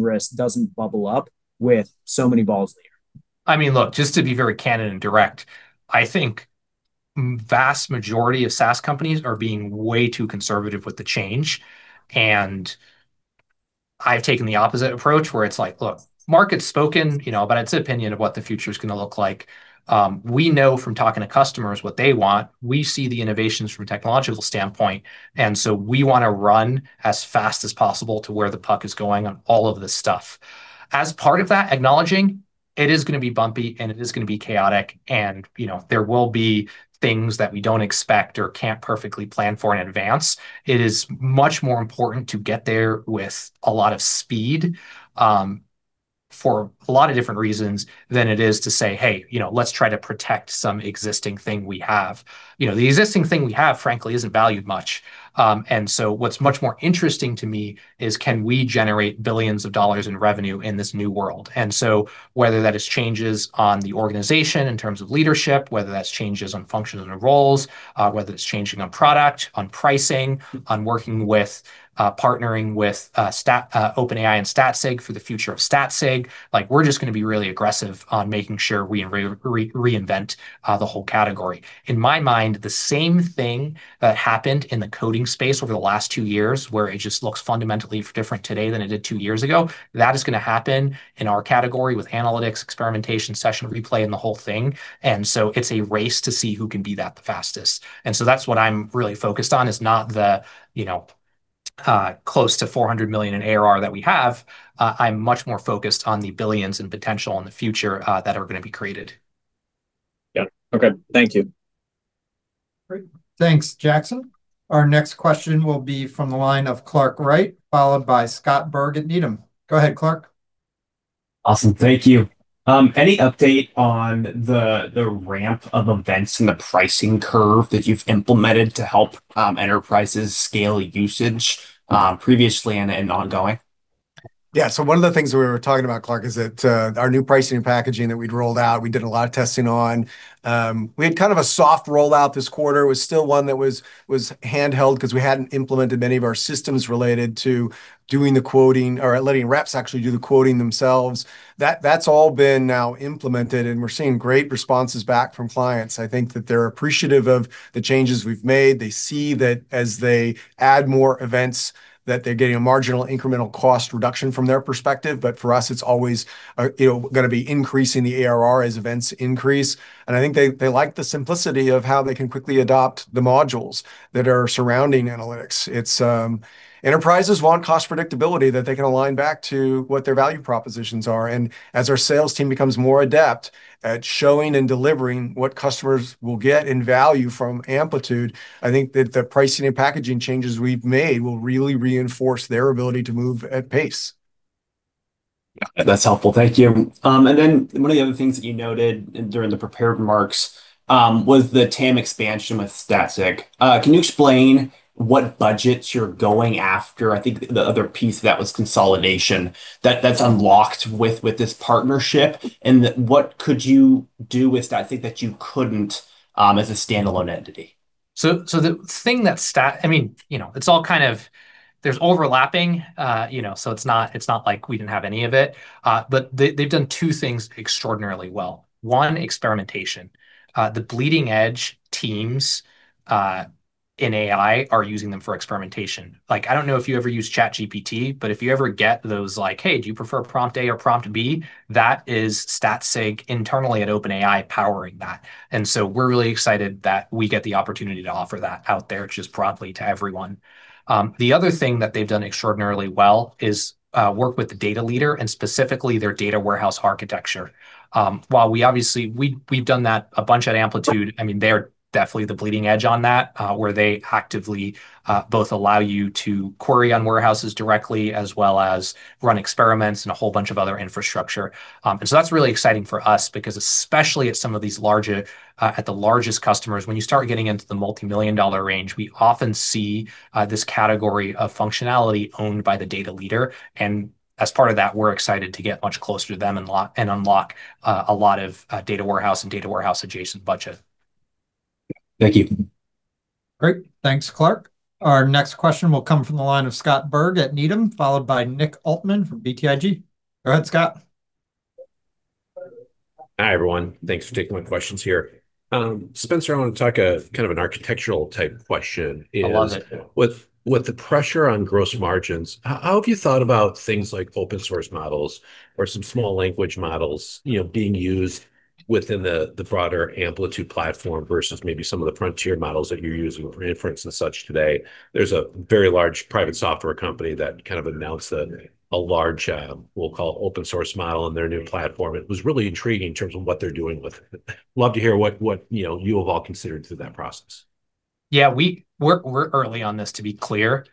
risk doesn't bubble up with so many balls in the air? I mean, look, just to be very candid and direct, I think vast majority of SaaS companies are being way too conservative with the change. I've taken the opposite approach, where it's like, look, market's spoken, you know, about its opinion of what the future's gonna look like. We know from talking to customers what they want. We see the innovations from a technological standpoint, and so we wanna run as fast as possible to where the puck is going on all of this stuff. As part of that, acknowledging it is gonna be bumpy, and it is gonna be chaotic, and, you know, there will be things that we don't expect or can't perfectly plan for in advance. It is much more important to get there with a lot of speed, for a lot of different reasons, than it is to say, "Hey, you know, let's try to protect some existing thing we have." You know, the existing thing we have, frankly, isn't valued much. What's much more interesting to me is can we generate billions of dollars in revenue in this new world? Whether that is changes on the organization in terms of leadership, whether that's changes on functional roles, whether it's changing on product, on pricing, on working with, partnering with, OpenAI and Statsig for the future of Statsig, like, we're just gonna be really aggressive on making sure we reinvent the whole category. In my mind, the same thing that happened in the coding space over the last two years, where it just looks fundamentally different today than it did two years ago, that is gonna happen in our category with analytics, experimentation, session replay, and the whole thing. It's a race to see who can be that the fastest. That's what I'm really focused on, is not the, you know, close to $400 million in ARR that we have. I'm much more focused on the billions in potential in the future that are gonna be created. Yeah. Okay, thank you. Great. Thanks, Jackson. Our next question will be from the line of Clark Wright, followed by Scott Berg at Needham. Go ahead, Clark. Awesome. Thank you. Any update on the ramp of events and the pricing curve that you've implemented to help enterprises scale usage previously and ongoing? One of the things that we were talking about, Clark, is that our new pricing and packaging that we'd rolled out, we did a lot of testing on. We had kind of a soft rollout this quarter. It was still one that was handheld 'cause we hadn't implemented many of our systems related to doing the quoting or letting reps actually do the quoting themselves. That's all been now implemented, and we're seeing great responses back from clients. I think that they're appreciative of the changes we've made. They see that as they add more events, that they're getting a marginal incremental cost reduction from their perspective. For us, it's always, you know, gonna be increasing the ARR as events increase, and I think they like the simplicity of how they can quickly adopt the modules that are surrounding analytics. It's, enterprises want cost predictability that they can align back to what their value propositions are. As our sales team becomes more adept at showing and delivering what customers will get in value from Amplitude, I think that the pricing and packaging changes we've made will really reinforce their ability to move at pace. Yeah. That's helpful. Thank you. One of the other things that you noted in, during the prepared remarks, was the TAM expansion with Statsig. Can you explain what budgets you're going after? I think the other piece of that was consolidation that is unlocked with this partnership, and what could you do with that, I think, that you couldn't as a standalone entity? The thing that Statsig, I mean, you know, it's all kind of, there's overlapping. You know, it's not like we didn't have any of it. They've done two things extraordinarily well. One, experimentation. The bleeding edge teams in AI are using them for experimentation. Like, I don't know if you ever use ChatGPT, if you ever get those, like, "Hey, do you prefer prompt A or prompt B?" That is Statsig internally at OpenAI powering that. We're really excited that we get the opportunity to offer that out there just broadly to everyone. The other thing that they've done extraordinarily well is work with the data leader and specifically their data warehouse architecture. While we obviously we've done that a bunch at Amplitude, I mean, they are definitely the bleeding edge on that, where they actively both allow you to query on warehouses directly as well as run experiments and a whole bunch of other infrastructure. That's really exciting for us because especially at some of these larger, at the largest customers, when you start getting into the multi-million-dollar range, we often see this category of functionality owned by the data leader. As part of that, we're excited to get much closer to them and unlock a lot of data warehouse and data warehouse adjacent budget. Thank you. Great. Thanks, Clark. Our next question will come from the line of Scott Berg at Needham, followed by Nick Altmann from BTIG. Go ahead, Scott. Hi, everyone. Thanks for taking my questions here. Spenser, I wanna talk kind of an architectural type question. I'd love that, yeah. With the pressure on gross margins, how have you thought about things like open source models or some small language models, you know, being used within the broader Amplitude platform versus maybe some of the frontier models that you're using for inference and such today? There's a very large private software company that kind of announced a large, we'll call open source model in their new platform. It was really intriguing in terms of what they're doing with it. Love to hear what, you know, you have all considered through that process. Yeah. We're early on this, to be clear.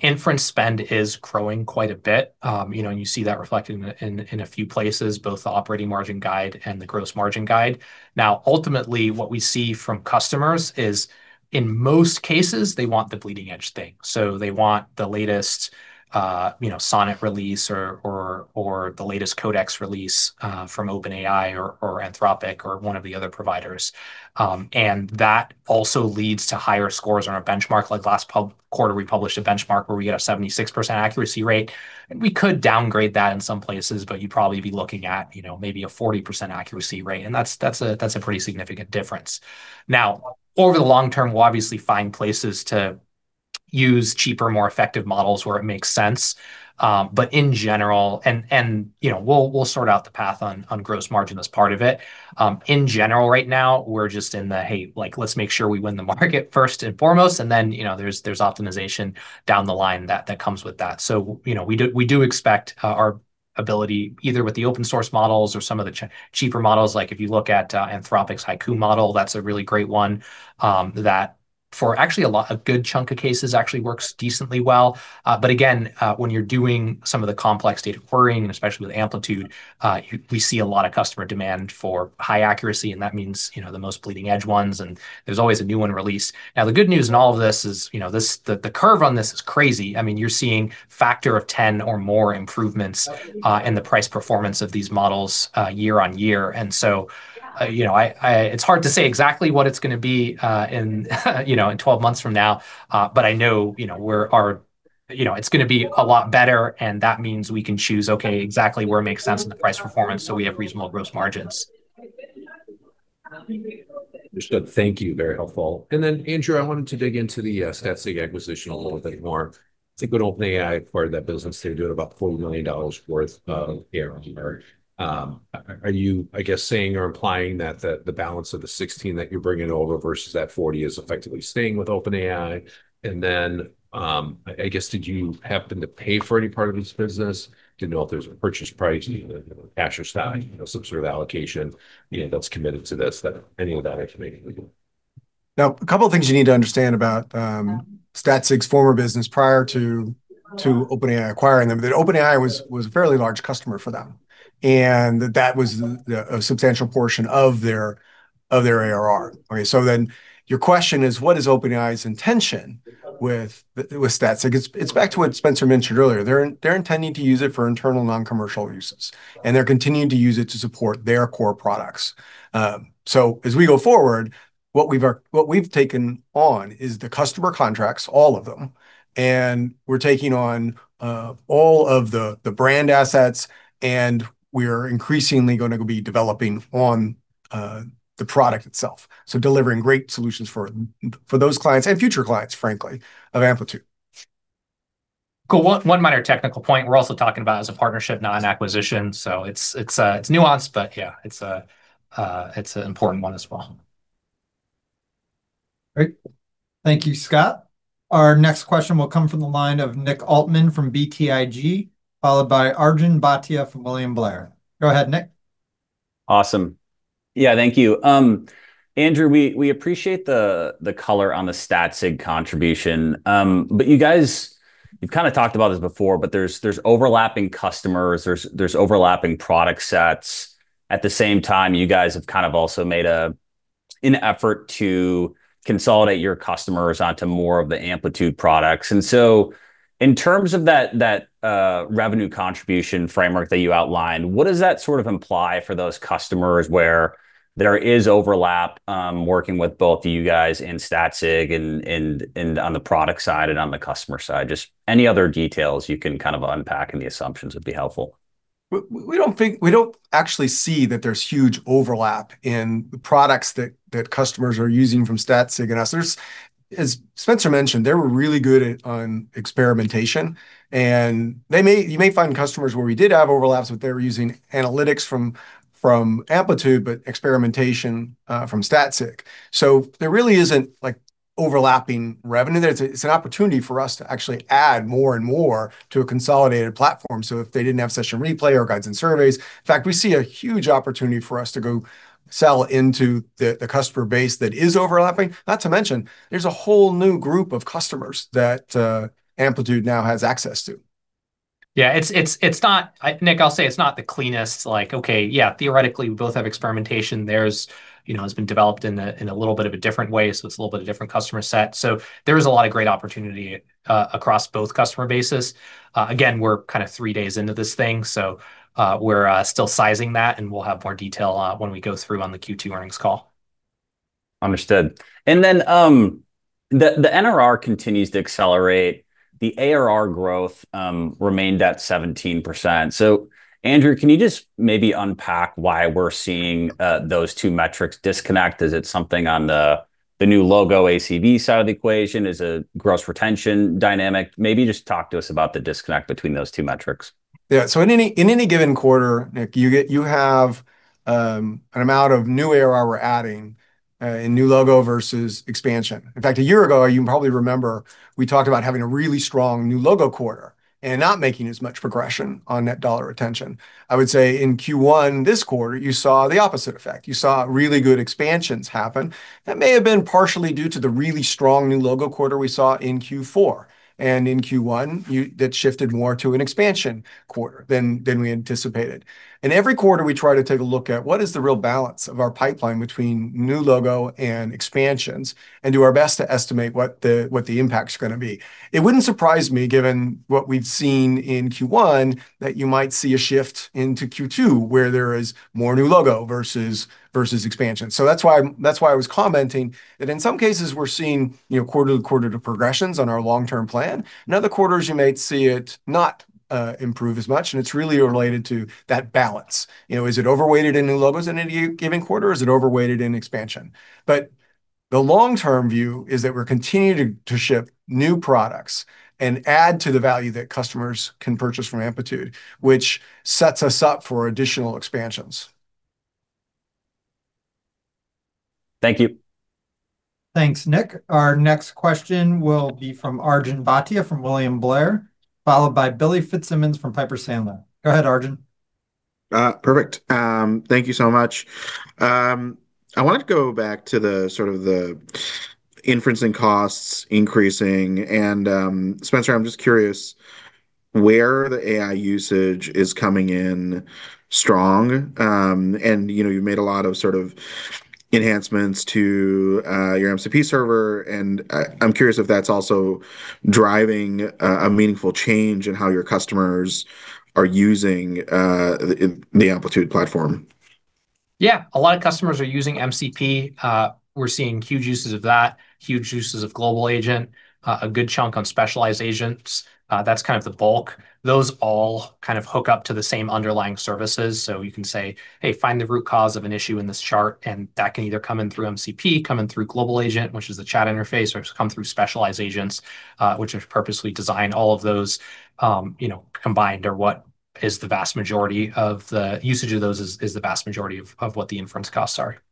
Inference spend is growing quite a bit. You know, and you see that reflected in, in a few places, both the operating margin guide and the gross margin guide. Now, ultimately, what we see from customers is, in most cases, they want the bleeding edge thing. They want the latest, you know, Sonnet release or the latest Codex release from OpenAI or Anthropic or one of the other providers. That also leads to higher scores on our benchmark. Like last quarter, we published a benchmark where we get a 76% accuracy rate. We could downgrade that in some places, you'd probably be looking at, you know, maybe a 40% accuracy rate, and that's a pretty significant difference. Now, over the long term, we'll obviously find places to use cheaper, more effective models where it makes sense. In general, you know, we'll sort out the path on gross margin as part of it. In general, right now, we're just in the, hey, like, let's make sure we win the market first and foremost, and then, you know, there's optimization down the line that comes with that. You know, we do expect our ability, either with the open source models or some of the cheaper models. Like, if you look at Anthropic's Haiku model, that's a really great one that for actually a lot of good chunk of cases actually works decently well. Again, when you're doing some of the complex data querying, and especially with Amplitude, we see a lot of customer demand for high accuracy, and that means, you know, the most bleeding edge ones, and there's always a new one released. Now, the good news in all of this is, you know, this, the curve on this is crazy. I mean, you're seeing factor of 10 or more improvements, in the price performance of these models, year-on-year. You know, It's hard to say exactly what it's gonna be, in, you know, in 12 months from now. I know, you know, it's gonna be a lot better, and that means we can choose, okay, exactly where it makes sense in the price performance so we have reasonable gross margins. Understood. Thank you. Very helpful. Andrew, I wanted to dig into the Statsig acquisition a little bit more. I think when OpenAI acquired that business, they were doing about $40 million worth of ARR. Are you, I guess, saying or implying that the balance of the $16 million that you're bringing over versus that $40 million is effectively staying with OpenAI? I guess did you happen to pay for any part of this business? Didn't know if there was a purchase price, cash or stock, some sort of allocation that's committed to this, that any of that information we can? A couple of things you need to understand about Statsig's former business prior to OpenAI acquiring them, that OpenAI was a fairly large customer for them, and that was a substantial portion of their ARR. Okay. Your question is, what is OpenAI's intention with Statsig? It's back to what Spenser mentioned earlier. They're intending to use it for internal non-commercial uses, and they're continuing to use it to support their core products. As we go forward, what we've taken on is the customer contracts, all of them, and we're taking on all of the brand assets, and we're increasingly gonna be developing on the product itself. Delivering great solutions for those clients and future clients, frankly, of Amplitude. Cool. One minor technical point we're also talking about is a partnership, not an acquisition. It's nuanced, but yeah. It's an important one as well. Great. Thank you, Scott. Our next question will come from the line of Nick Altmann from BTIG, followed by Arjun Bhatia from William Blair. Go ahead, Nick. Awesome. Yeah. Thank you. Andrew, we appreciate the color on the Statsig contribution. You guys, you've kinda talked about this before, there's overlapping customers, there's overlapping product sets. At the same time, you guys have kind of also made an effort to consolidate your customers onto more of the Amplitude products. In terms of that revenue contribution framework that you outlined, what does that sort of imply for those customers where there is overlap, working with both you guys and Statsig and on the product side and on the customer side? Just any other details you can kind of unpack in the assumptions would be helpful. We don't think, we don't actually see that there's huge overlap in the products that customers are using from Statsig and us. There's, as Spenser mentioned, they were really good at experimentation, and you may find customers where we did have overlaps, but they were using analytics from Amplitude, but experimentation from Statsig. There really isn't, like, overlapping revenue there. It's an opportunity for us to actually add more and more to a consolidated platform. If they didn't have Session Replay or Guides and Surveys. In fact, we see a huge opportunity for us to go sell into the customer base that is overlapping. Not to mention, there's a whole new group of customers that Amplitude now has access to. Yeah. It's not, Nick, I'll say it's not the cleanest, like, okay, yeah, theoretically we both have experimentation. Theirs, you know, has been developed in a little bit of a different way, so it's a little bit of different customer set. There is a lot of great opportunity across both customer bases. Again, we're kinda three days into this thing, so we're still sizing that, and we'll have more detail when we go through on the Q2 earnings call. Understood. The NRR continues to accelerate. The ARR growth remained at 17%. Andrew, can you just maybe unpack why we're seeing those two metrics disconnect? Is it something on the new logo ACV side of the equation? Is it gross retention dynamic? Maybe just talk to us about the disconnect between those two metrics. Yeah. In any given quarter, Nick, you have an amount of new ARR we're adding in new logo versus expansion. In fact, a year ago, you probably remember we talked about having a really strong new logo quarter and not making as much progression on net dollar retention. I would say in Q1 this quarter, you saw the opposite effect. You saw really good expansions happen. That may have been partially due to the really strong new logo quarter we saw in Q4. In Q1, that shifted more to an expansion quarter than we anticipated. Every quarter we try to take a look at what is the real balance of our pipeline between new logo and expansions, and do our best to estimate what the impact's gonna be. It wouldn't surprise me, given what we've seen in Q1, that you might see a shift into Q2 where there is more new logo versus expansion. That's why I was commenting that in some cases we're seeing, you know, quarter to quarter progressions on our long-term plan. In other quarters you may see it not improve as much, and it's really related to that balance. You know, is it over-weighted in new logos in any giving quarter, or is it over-weighted in expansion? The long-term view is that we're continuing to ship new products and add to the value that customers can purchase from Amplitude, which sets us up for additional expansions. Thank you. Thanks, Nick. Our next question will be from Arjun Bhatia from William Blair, followed by Billy Fitzsimmons from Piper Sandler. Go ahead, Arjun. Perfect. Thank you so much. I wanted to go back to the, sort of the inferencing costs increasing and Spenser, I'm just curious where the AI usage is coming in strong. You know, you've made a lot of sort of enhancements to your MCP server, and I'm curious if that's also driving a meaningful change in how your customers are using the Amplitude platform. Yeah. A lot of customers are using MCP. We're seeing huge uses of that, huge uses of Global Agent, a good chunk on specialized agents. That's kind of the bulk. Those all kind of hook up to the same underlying services. You can say, "Hey, find the root cause of an issue in this chart," that can either come in through MCP, come in through Global Agent, which is the chat interface, or come through specialized agents, which are purposely designed. All of those, you know, combined are what is the vast majority of the usage of those is the vast majority of what the inference costs are.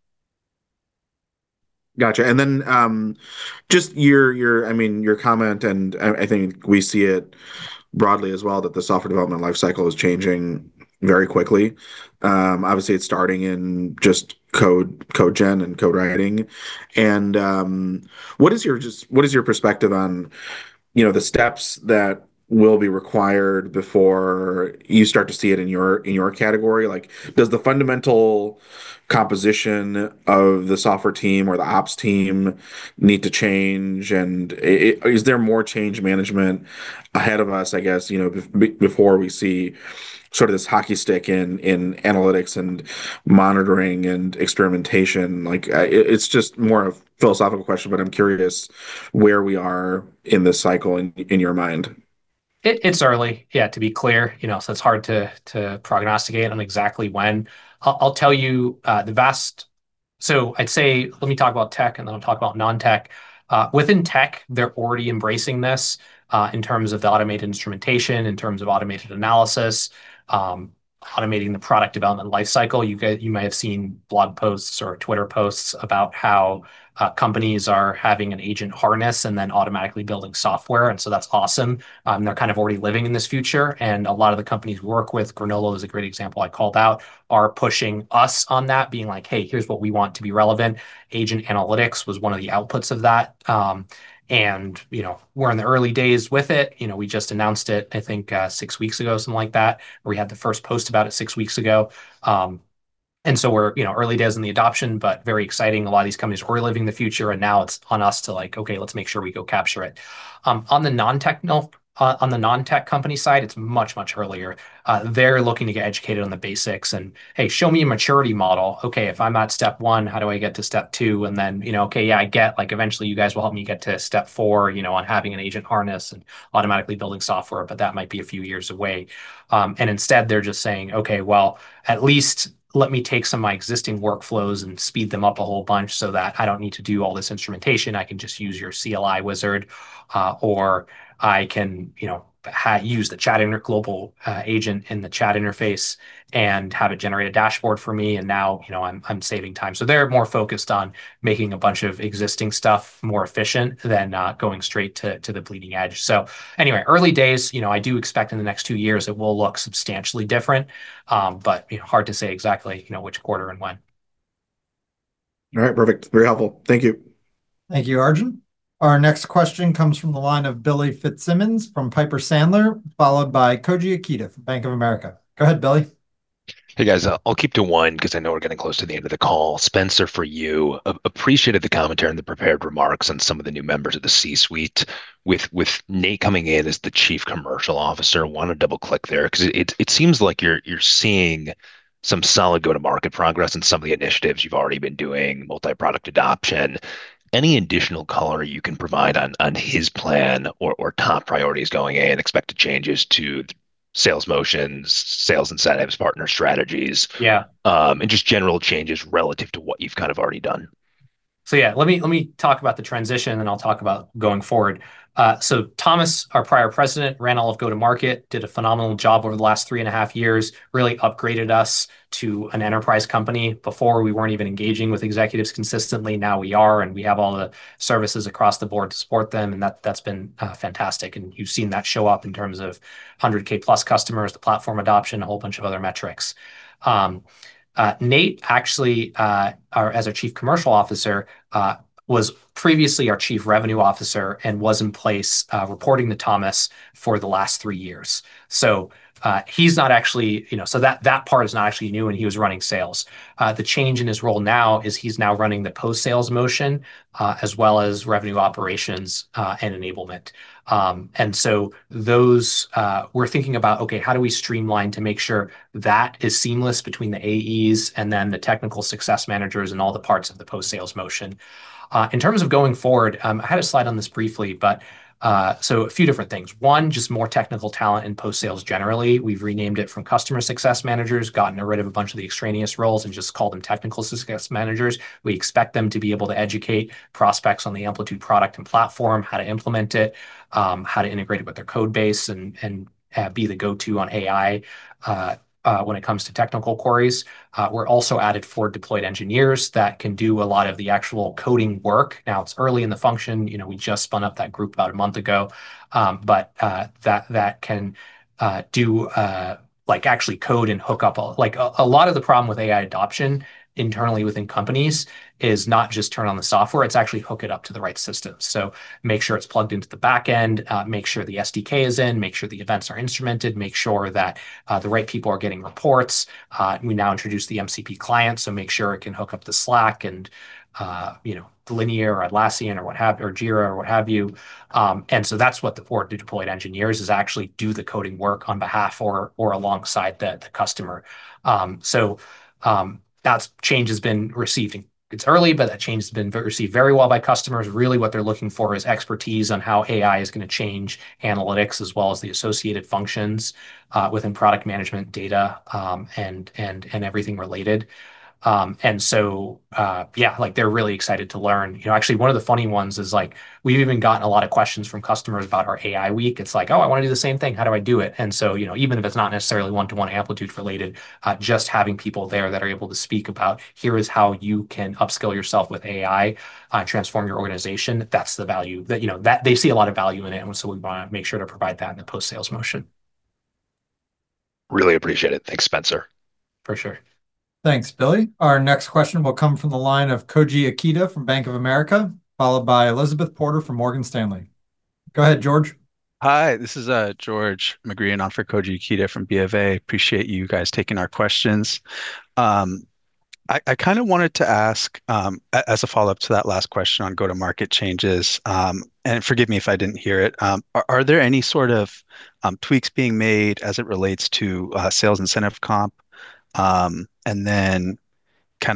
Gotcha. Then, just your, I mean, your comment, and I think we see it broadly as well, that the software development life cycle is changing very quickly. Obviously it's starting in just code gen and code writing. What is your perspective on, you know, the steps that will be required before you start to see it in your, in your category? Like, does the fundamental composition of the software team or the ops team need to change, and is there more change management ahead of us, I guess, you know, before we see sort of this hockey stick in analytics and monitoring and experimentation? Like, it's just more a philosophical question, but I'm curious where we are in this cycle in your mind? It's early, yeah, to be clear, you know, it's hard to prognosticate on exactly when. I'll tell you, I'd say, let me talk about tech, then I'll talk about non-tech. Within tech, they're already embracing this, in terms of the automated instrumentation, in terms of automated analysis, automating the product development life cycle. You may have seen blog posts or Twitter posts about how companies are having an agent harness then automatically building software, so that's awesome. They're kind of already living in this future, a lot of the companies we work with, Glean is a great example I called out, are pushing us on that, being like, "Hey, here's what we want to be relevant." Agent Analytics was one of the outputs of that. You know, we're in the early days with it. You know, we just announced it, I think, six weeks ago, something like that. We had the first post about it six weeks ago. We're, you know, early days in the adoption, but very exciting. A lot of these companies are living the future, and now it's on us to, like, "Okay, let's make sure we go capture it." On the non-tech company side, it's much, much earlier. They're looking to get educated on the basics and, "Hey, show me a maturity model. Okay, if I'm at step one, how do I get to step two?" You know, "Okay, yeah, I get, like, eventually you guys will help me get to step four, you know, on having an agent harness and automatically building software, but that might be a few years away." Instead they're just saying, "Okay, well, at least let me take some of my existing workflows and speed them up a whole bunch so that I don't need to do all this instrumentation. I can just use your CLI Wizard, or I can, you know, use the chat inter Global Agent in the chat interface and have it generate a dashboard for me, and now, you know, I'm saving time." They're more focused on making a bunch of existing stuff more efficient than going straight to the bleeding edge. Early days, you know, I do expect in the next two years it will look substantially different, but, you know, hard to say exactly, you know, which quarter and when. All right. Perfect. Very helpful. Thank you. Thank you, Arjun. Our next question comes from the line of Billy Fitzsimmons from Piper Sandler, followed by Koji Ikeda from Bank of America. Go ahead, Billy. Hey, guys. I'll keep to one 'cause I know we're getting close to the end of the call. Spenser, for you, appreciated the commentary and the prepared remarks on some of the new members of the C-suite. With Nate coming in as the Chief Commercial Officer, wanna double-click there 'cause it seems like you're seeing some solid go-to-market progress in some of the initiatives you've already been doing, multi-product adoption. Any additional color you can provide on his plan or top priorities going in, expected changes to sales motions, sales incentives, partner strategies? Yeah Just general changes relative to what you've kind of already done. Yeah, let me talk about the transition, and I'll talk about going forward. Thomas, our prior President, ran all of go-to-market, did a phenomenal job over the last 3.5 years, really upgraded us to an enterprise company. Before, we weren't even engaging with executives consistently, now we are, and we have all the services across the board to support them, and that's been fantastic, and you've seen that show up in terms of 100,000 customers, the platform adoption, a whole bunch of other metrics. Nate actually, as our Chief Commercial Officer, was previously our Chief Revenue Officer and was in place reporting to Thomas for the last three years. He's not actually, you know, that part is not actually new, and he was running sales. The change in his role now is he's now running the post-sales motion, as well as revenue operations, and enablement. Those, we're thinking about, okay, how do we streamline to make sure that is seamless between the AEs and then the technical success managers and all the parts of the post-sales motion. In terms of going forward, I had a slide on this briefly, but a few different things. One, just more technical talent in post-sales generally. We've renamed it from customer success managers, gotten rid of a bunch of the extraneous roles and just called them technical success managers. We expect them to be able to educate prospects on the Amplitude product and platform, how to implement it, how to integrate it with their code base and be the go-to on AI when it comes to technical queries. We're also added four deployed engineers that can do a lot of the actual coding work. It's early in the function. You know, we just spun up that group about a month ago. That can do like actually code and hook up all Like, a lot of the problem with AI adoption internally within companies is not just turn on the software, it's actually hook it up to the right systems. Make sure it's plugged into the backend, make sure the SDK is in, make sure the events are instrumented, make sure that the right people are getting reports. We now introduced the MCP client, make sure it can hook up to Slack and, you know, Linear or Atlassian or Jira or what have you. That's what the four deployed engineers is actually do the coding work on behalf or alongside the customer. That's change has been received in It's early, but that change has been received very well by customers. Really, what they're looking for is expertise on how AI is gonna change analytics as well as the associated functions within product management data and everything related. Yeah, like, they're really excited to learn. You know, actually, one of the funny ones is, like, we've even gotten a lot of questions from customers about our AI Week. It's like, "Oh, I wanna do the same thing. How do I do it?" You know, even if it's not necessarily one-to-one Amplitude related, just having people there that are able to speak about here is how you can upskill yourself with AI, transform your organization, that's the value. That, you know, that they see a lot of value in it, we wanna make sure to provide that in the post-sales motion. Really appreciate it. Thanks, Spenser. For sure. Thanks, Billy. Our next question will come from the line of Koji Ikeda from Bank of America, followed by Elizabeth Porter from Morgan Stanley. Go ahead, George. Hi, this is George McGreehan in on for Koji Ikeda from BofA. Appreciate you guys taking our questions. I wanted to ask as a follow-up to that last question on go-to-market changes. Forgive me if I didn't hear it. Are there any sort of tweaks being made as it relates to sales incentive comp? Kind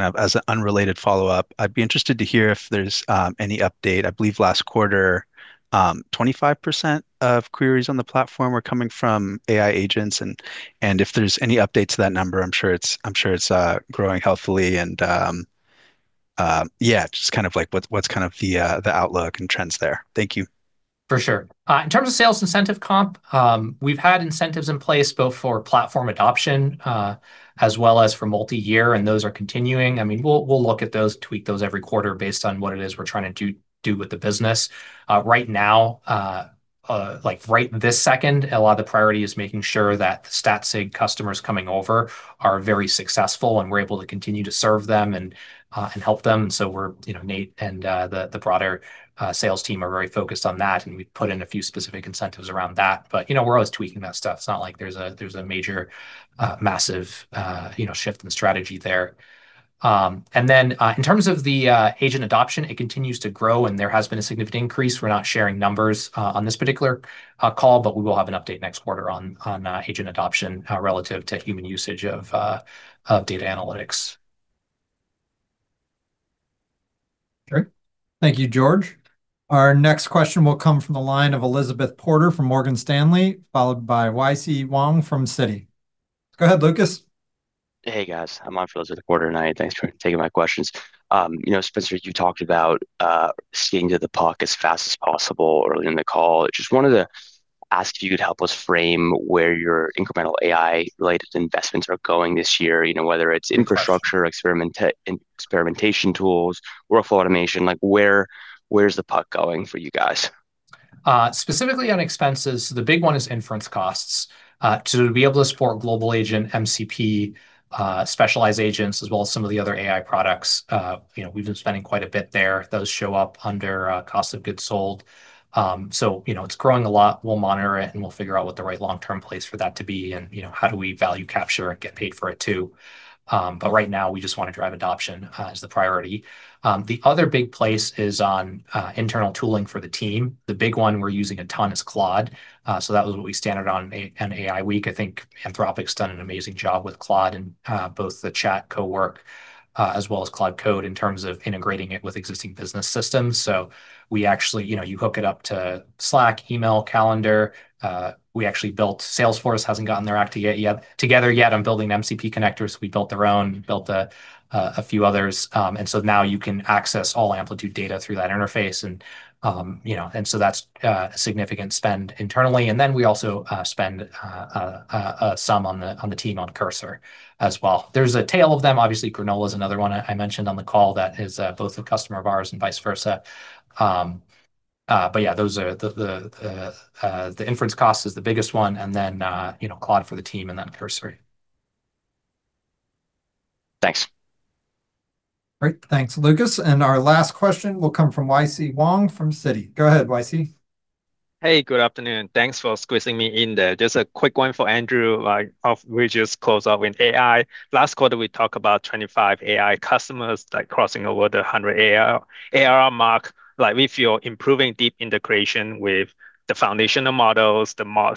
of as an unrelated follow-up, I'd be interested to hear if there's any update. I believe last quarter, 25% of queries on the platform were coming from AI agents, if there's any update to that number. I'm sure it's growing healthily, and just kind of what's the outlook and trends there. Thank you. For sure. In terms of sales incentive comp, we've had incentives in place both for platform adoption, as well as for multi-year, and those are continuing. I mean, we'll look at those, tweak those every quarter based on what it is we're trying to do with the business. Right now, like right this second, a lot of the priority is making sure that Statsig customers coming over are very successful and we're able to continue to serve them and help them. We're, you know, Nate and the broader sales team are very focused on that, and we put in a few specific incentives around that. You know, we're always tweaking that stuff. It's not like there's a major, massive, you know, shift in strategy there. In terms of the agent adoption, it continues to grow, and there has been a significant increase. We're not sharing numbers on this particular call, but we will have an update next quarter on agent adoption relative to human usage of data analytics. Great. Thank you, George. Our next question will come from the line of Elizabeth Porter from Morgan Stanley, followed by YC Wong from Citi. Go ahead, Lucas. Hey, guys. I'm on for Elizabeth Porter tonight. Thanks for taking my questions. you know Spenser, you talked about skating to the puck as fast as possible early in the call. I just wanted to ask if you could help us frame where your incremental AI related investments are going this year, you know, whether it's infrastructure, experimentation tools, workflow automation. Like, where's the puck going for you guys? Specifically on expenses, the big one is inference costs. To be able to support Global Agent MCP, specialized agents, as well as some of the other AI products, you know, we've been spending quite a bit there. Those show up under cost of goods sold. You know, it's growing a lot. We'll monitor it, and we'll figure out what the right long-term place for that to be and, you know, how do we value capture and get paid for it, too. Right now we just wanna drive adoption as the priority. The other big place is on internal tooling for the team. The big one we're using a ton is Claude. That was what we standard on an AI week. I think Anthropic's done an amazing job with Claude and, both the Chat, Cowork, as well as Claude Code in terms of integrating it with existing business systems. We actually, you know, you hook it up to Slack, email, calendar. We actually built Salesforce hasn't gotten their act together yet on building MCP connectors. We built our own. We built a few others. Now you can access all Amplitude data through that interface and, you know. That's a significant spend internally, and then we also spend some on the team on Cursor as well. There's a tail of them. Obviously, Glean is another one I mentioned on the call that is both a customer of ours and vice versa. Yeah, those are the inference cost is the biggest one and then you know Claude for the team and then Cursor. Thanks. Great. Thanks, Lucas. Our last question will come from YC Wong from Citi. Go ahead, YC. Hey, good afternoon. Thanks for squeezing me in there. Just a quick one for Andrew, we just close out with AI. Last quarter we talk about 25 AI customers, crossing over the 100 ARR mark. We feel improving deep integration with the foundational models,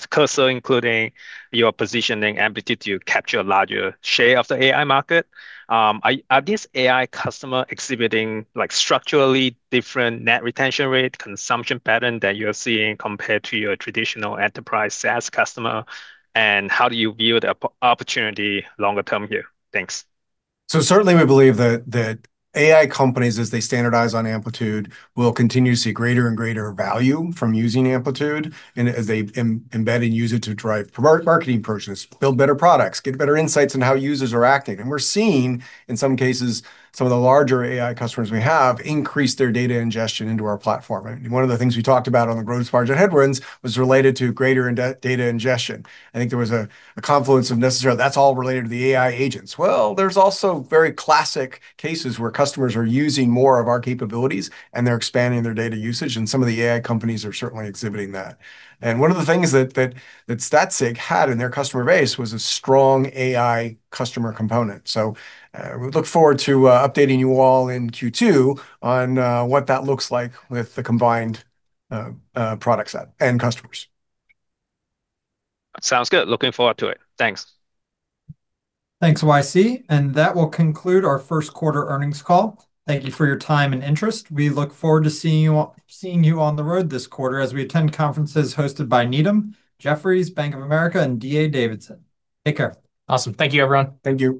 Cursor including, you're positioning Amplitude to capture a larger share of the AI market. Are these AI customer exhibiting, structurally different net retention rate, consumption pattern than you're seeing compared to your traditional enterprise SaaS customer, and how do you view the opportunity longer term here? Thanks. Certainly we believe that AI companies, as they standardize on Amplitude, will continue to see greater and greater value from using Amplitude as they embed and use it to drive marketing approaches, build better products, get better insights on how users are acting. We're seeing, in some cases, some of the larger AI customers we have increase their data ingestion into our platform. One of the things we talked about on the gross margin headwinds was related to greater data ingestion. I think there was a confluence of necessarily that's all related to the AI agents. Well, there's also very classic cases where customers are using more of our capabilities, and they're expanding their data usage, and some of the AI companies are certainly exhibiting that. One of the things that Statsig had in their customer base was a strong AI customer component. We look forward to updating you all in Q2 on what that looks like with the combined product set and customers. Sounds good. Looking forward to it. Thanks. Thanks, YC. That will conclude our first quarter earnings call. Thank you for your time and interest. We look forward to seeing you on the road this quarter as we attend conferences hosted by Needham, Jefferies, Bank of America, and D.A. Davidson. Take care. Awesome. Thank you, everyone. Thank you.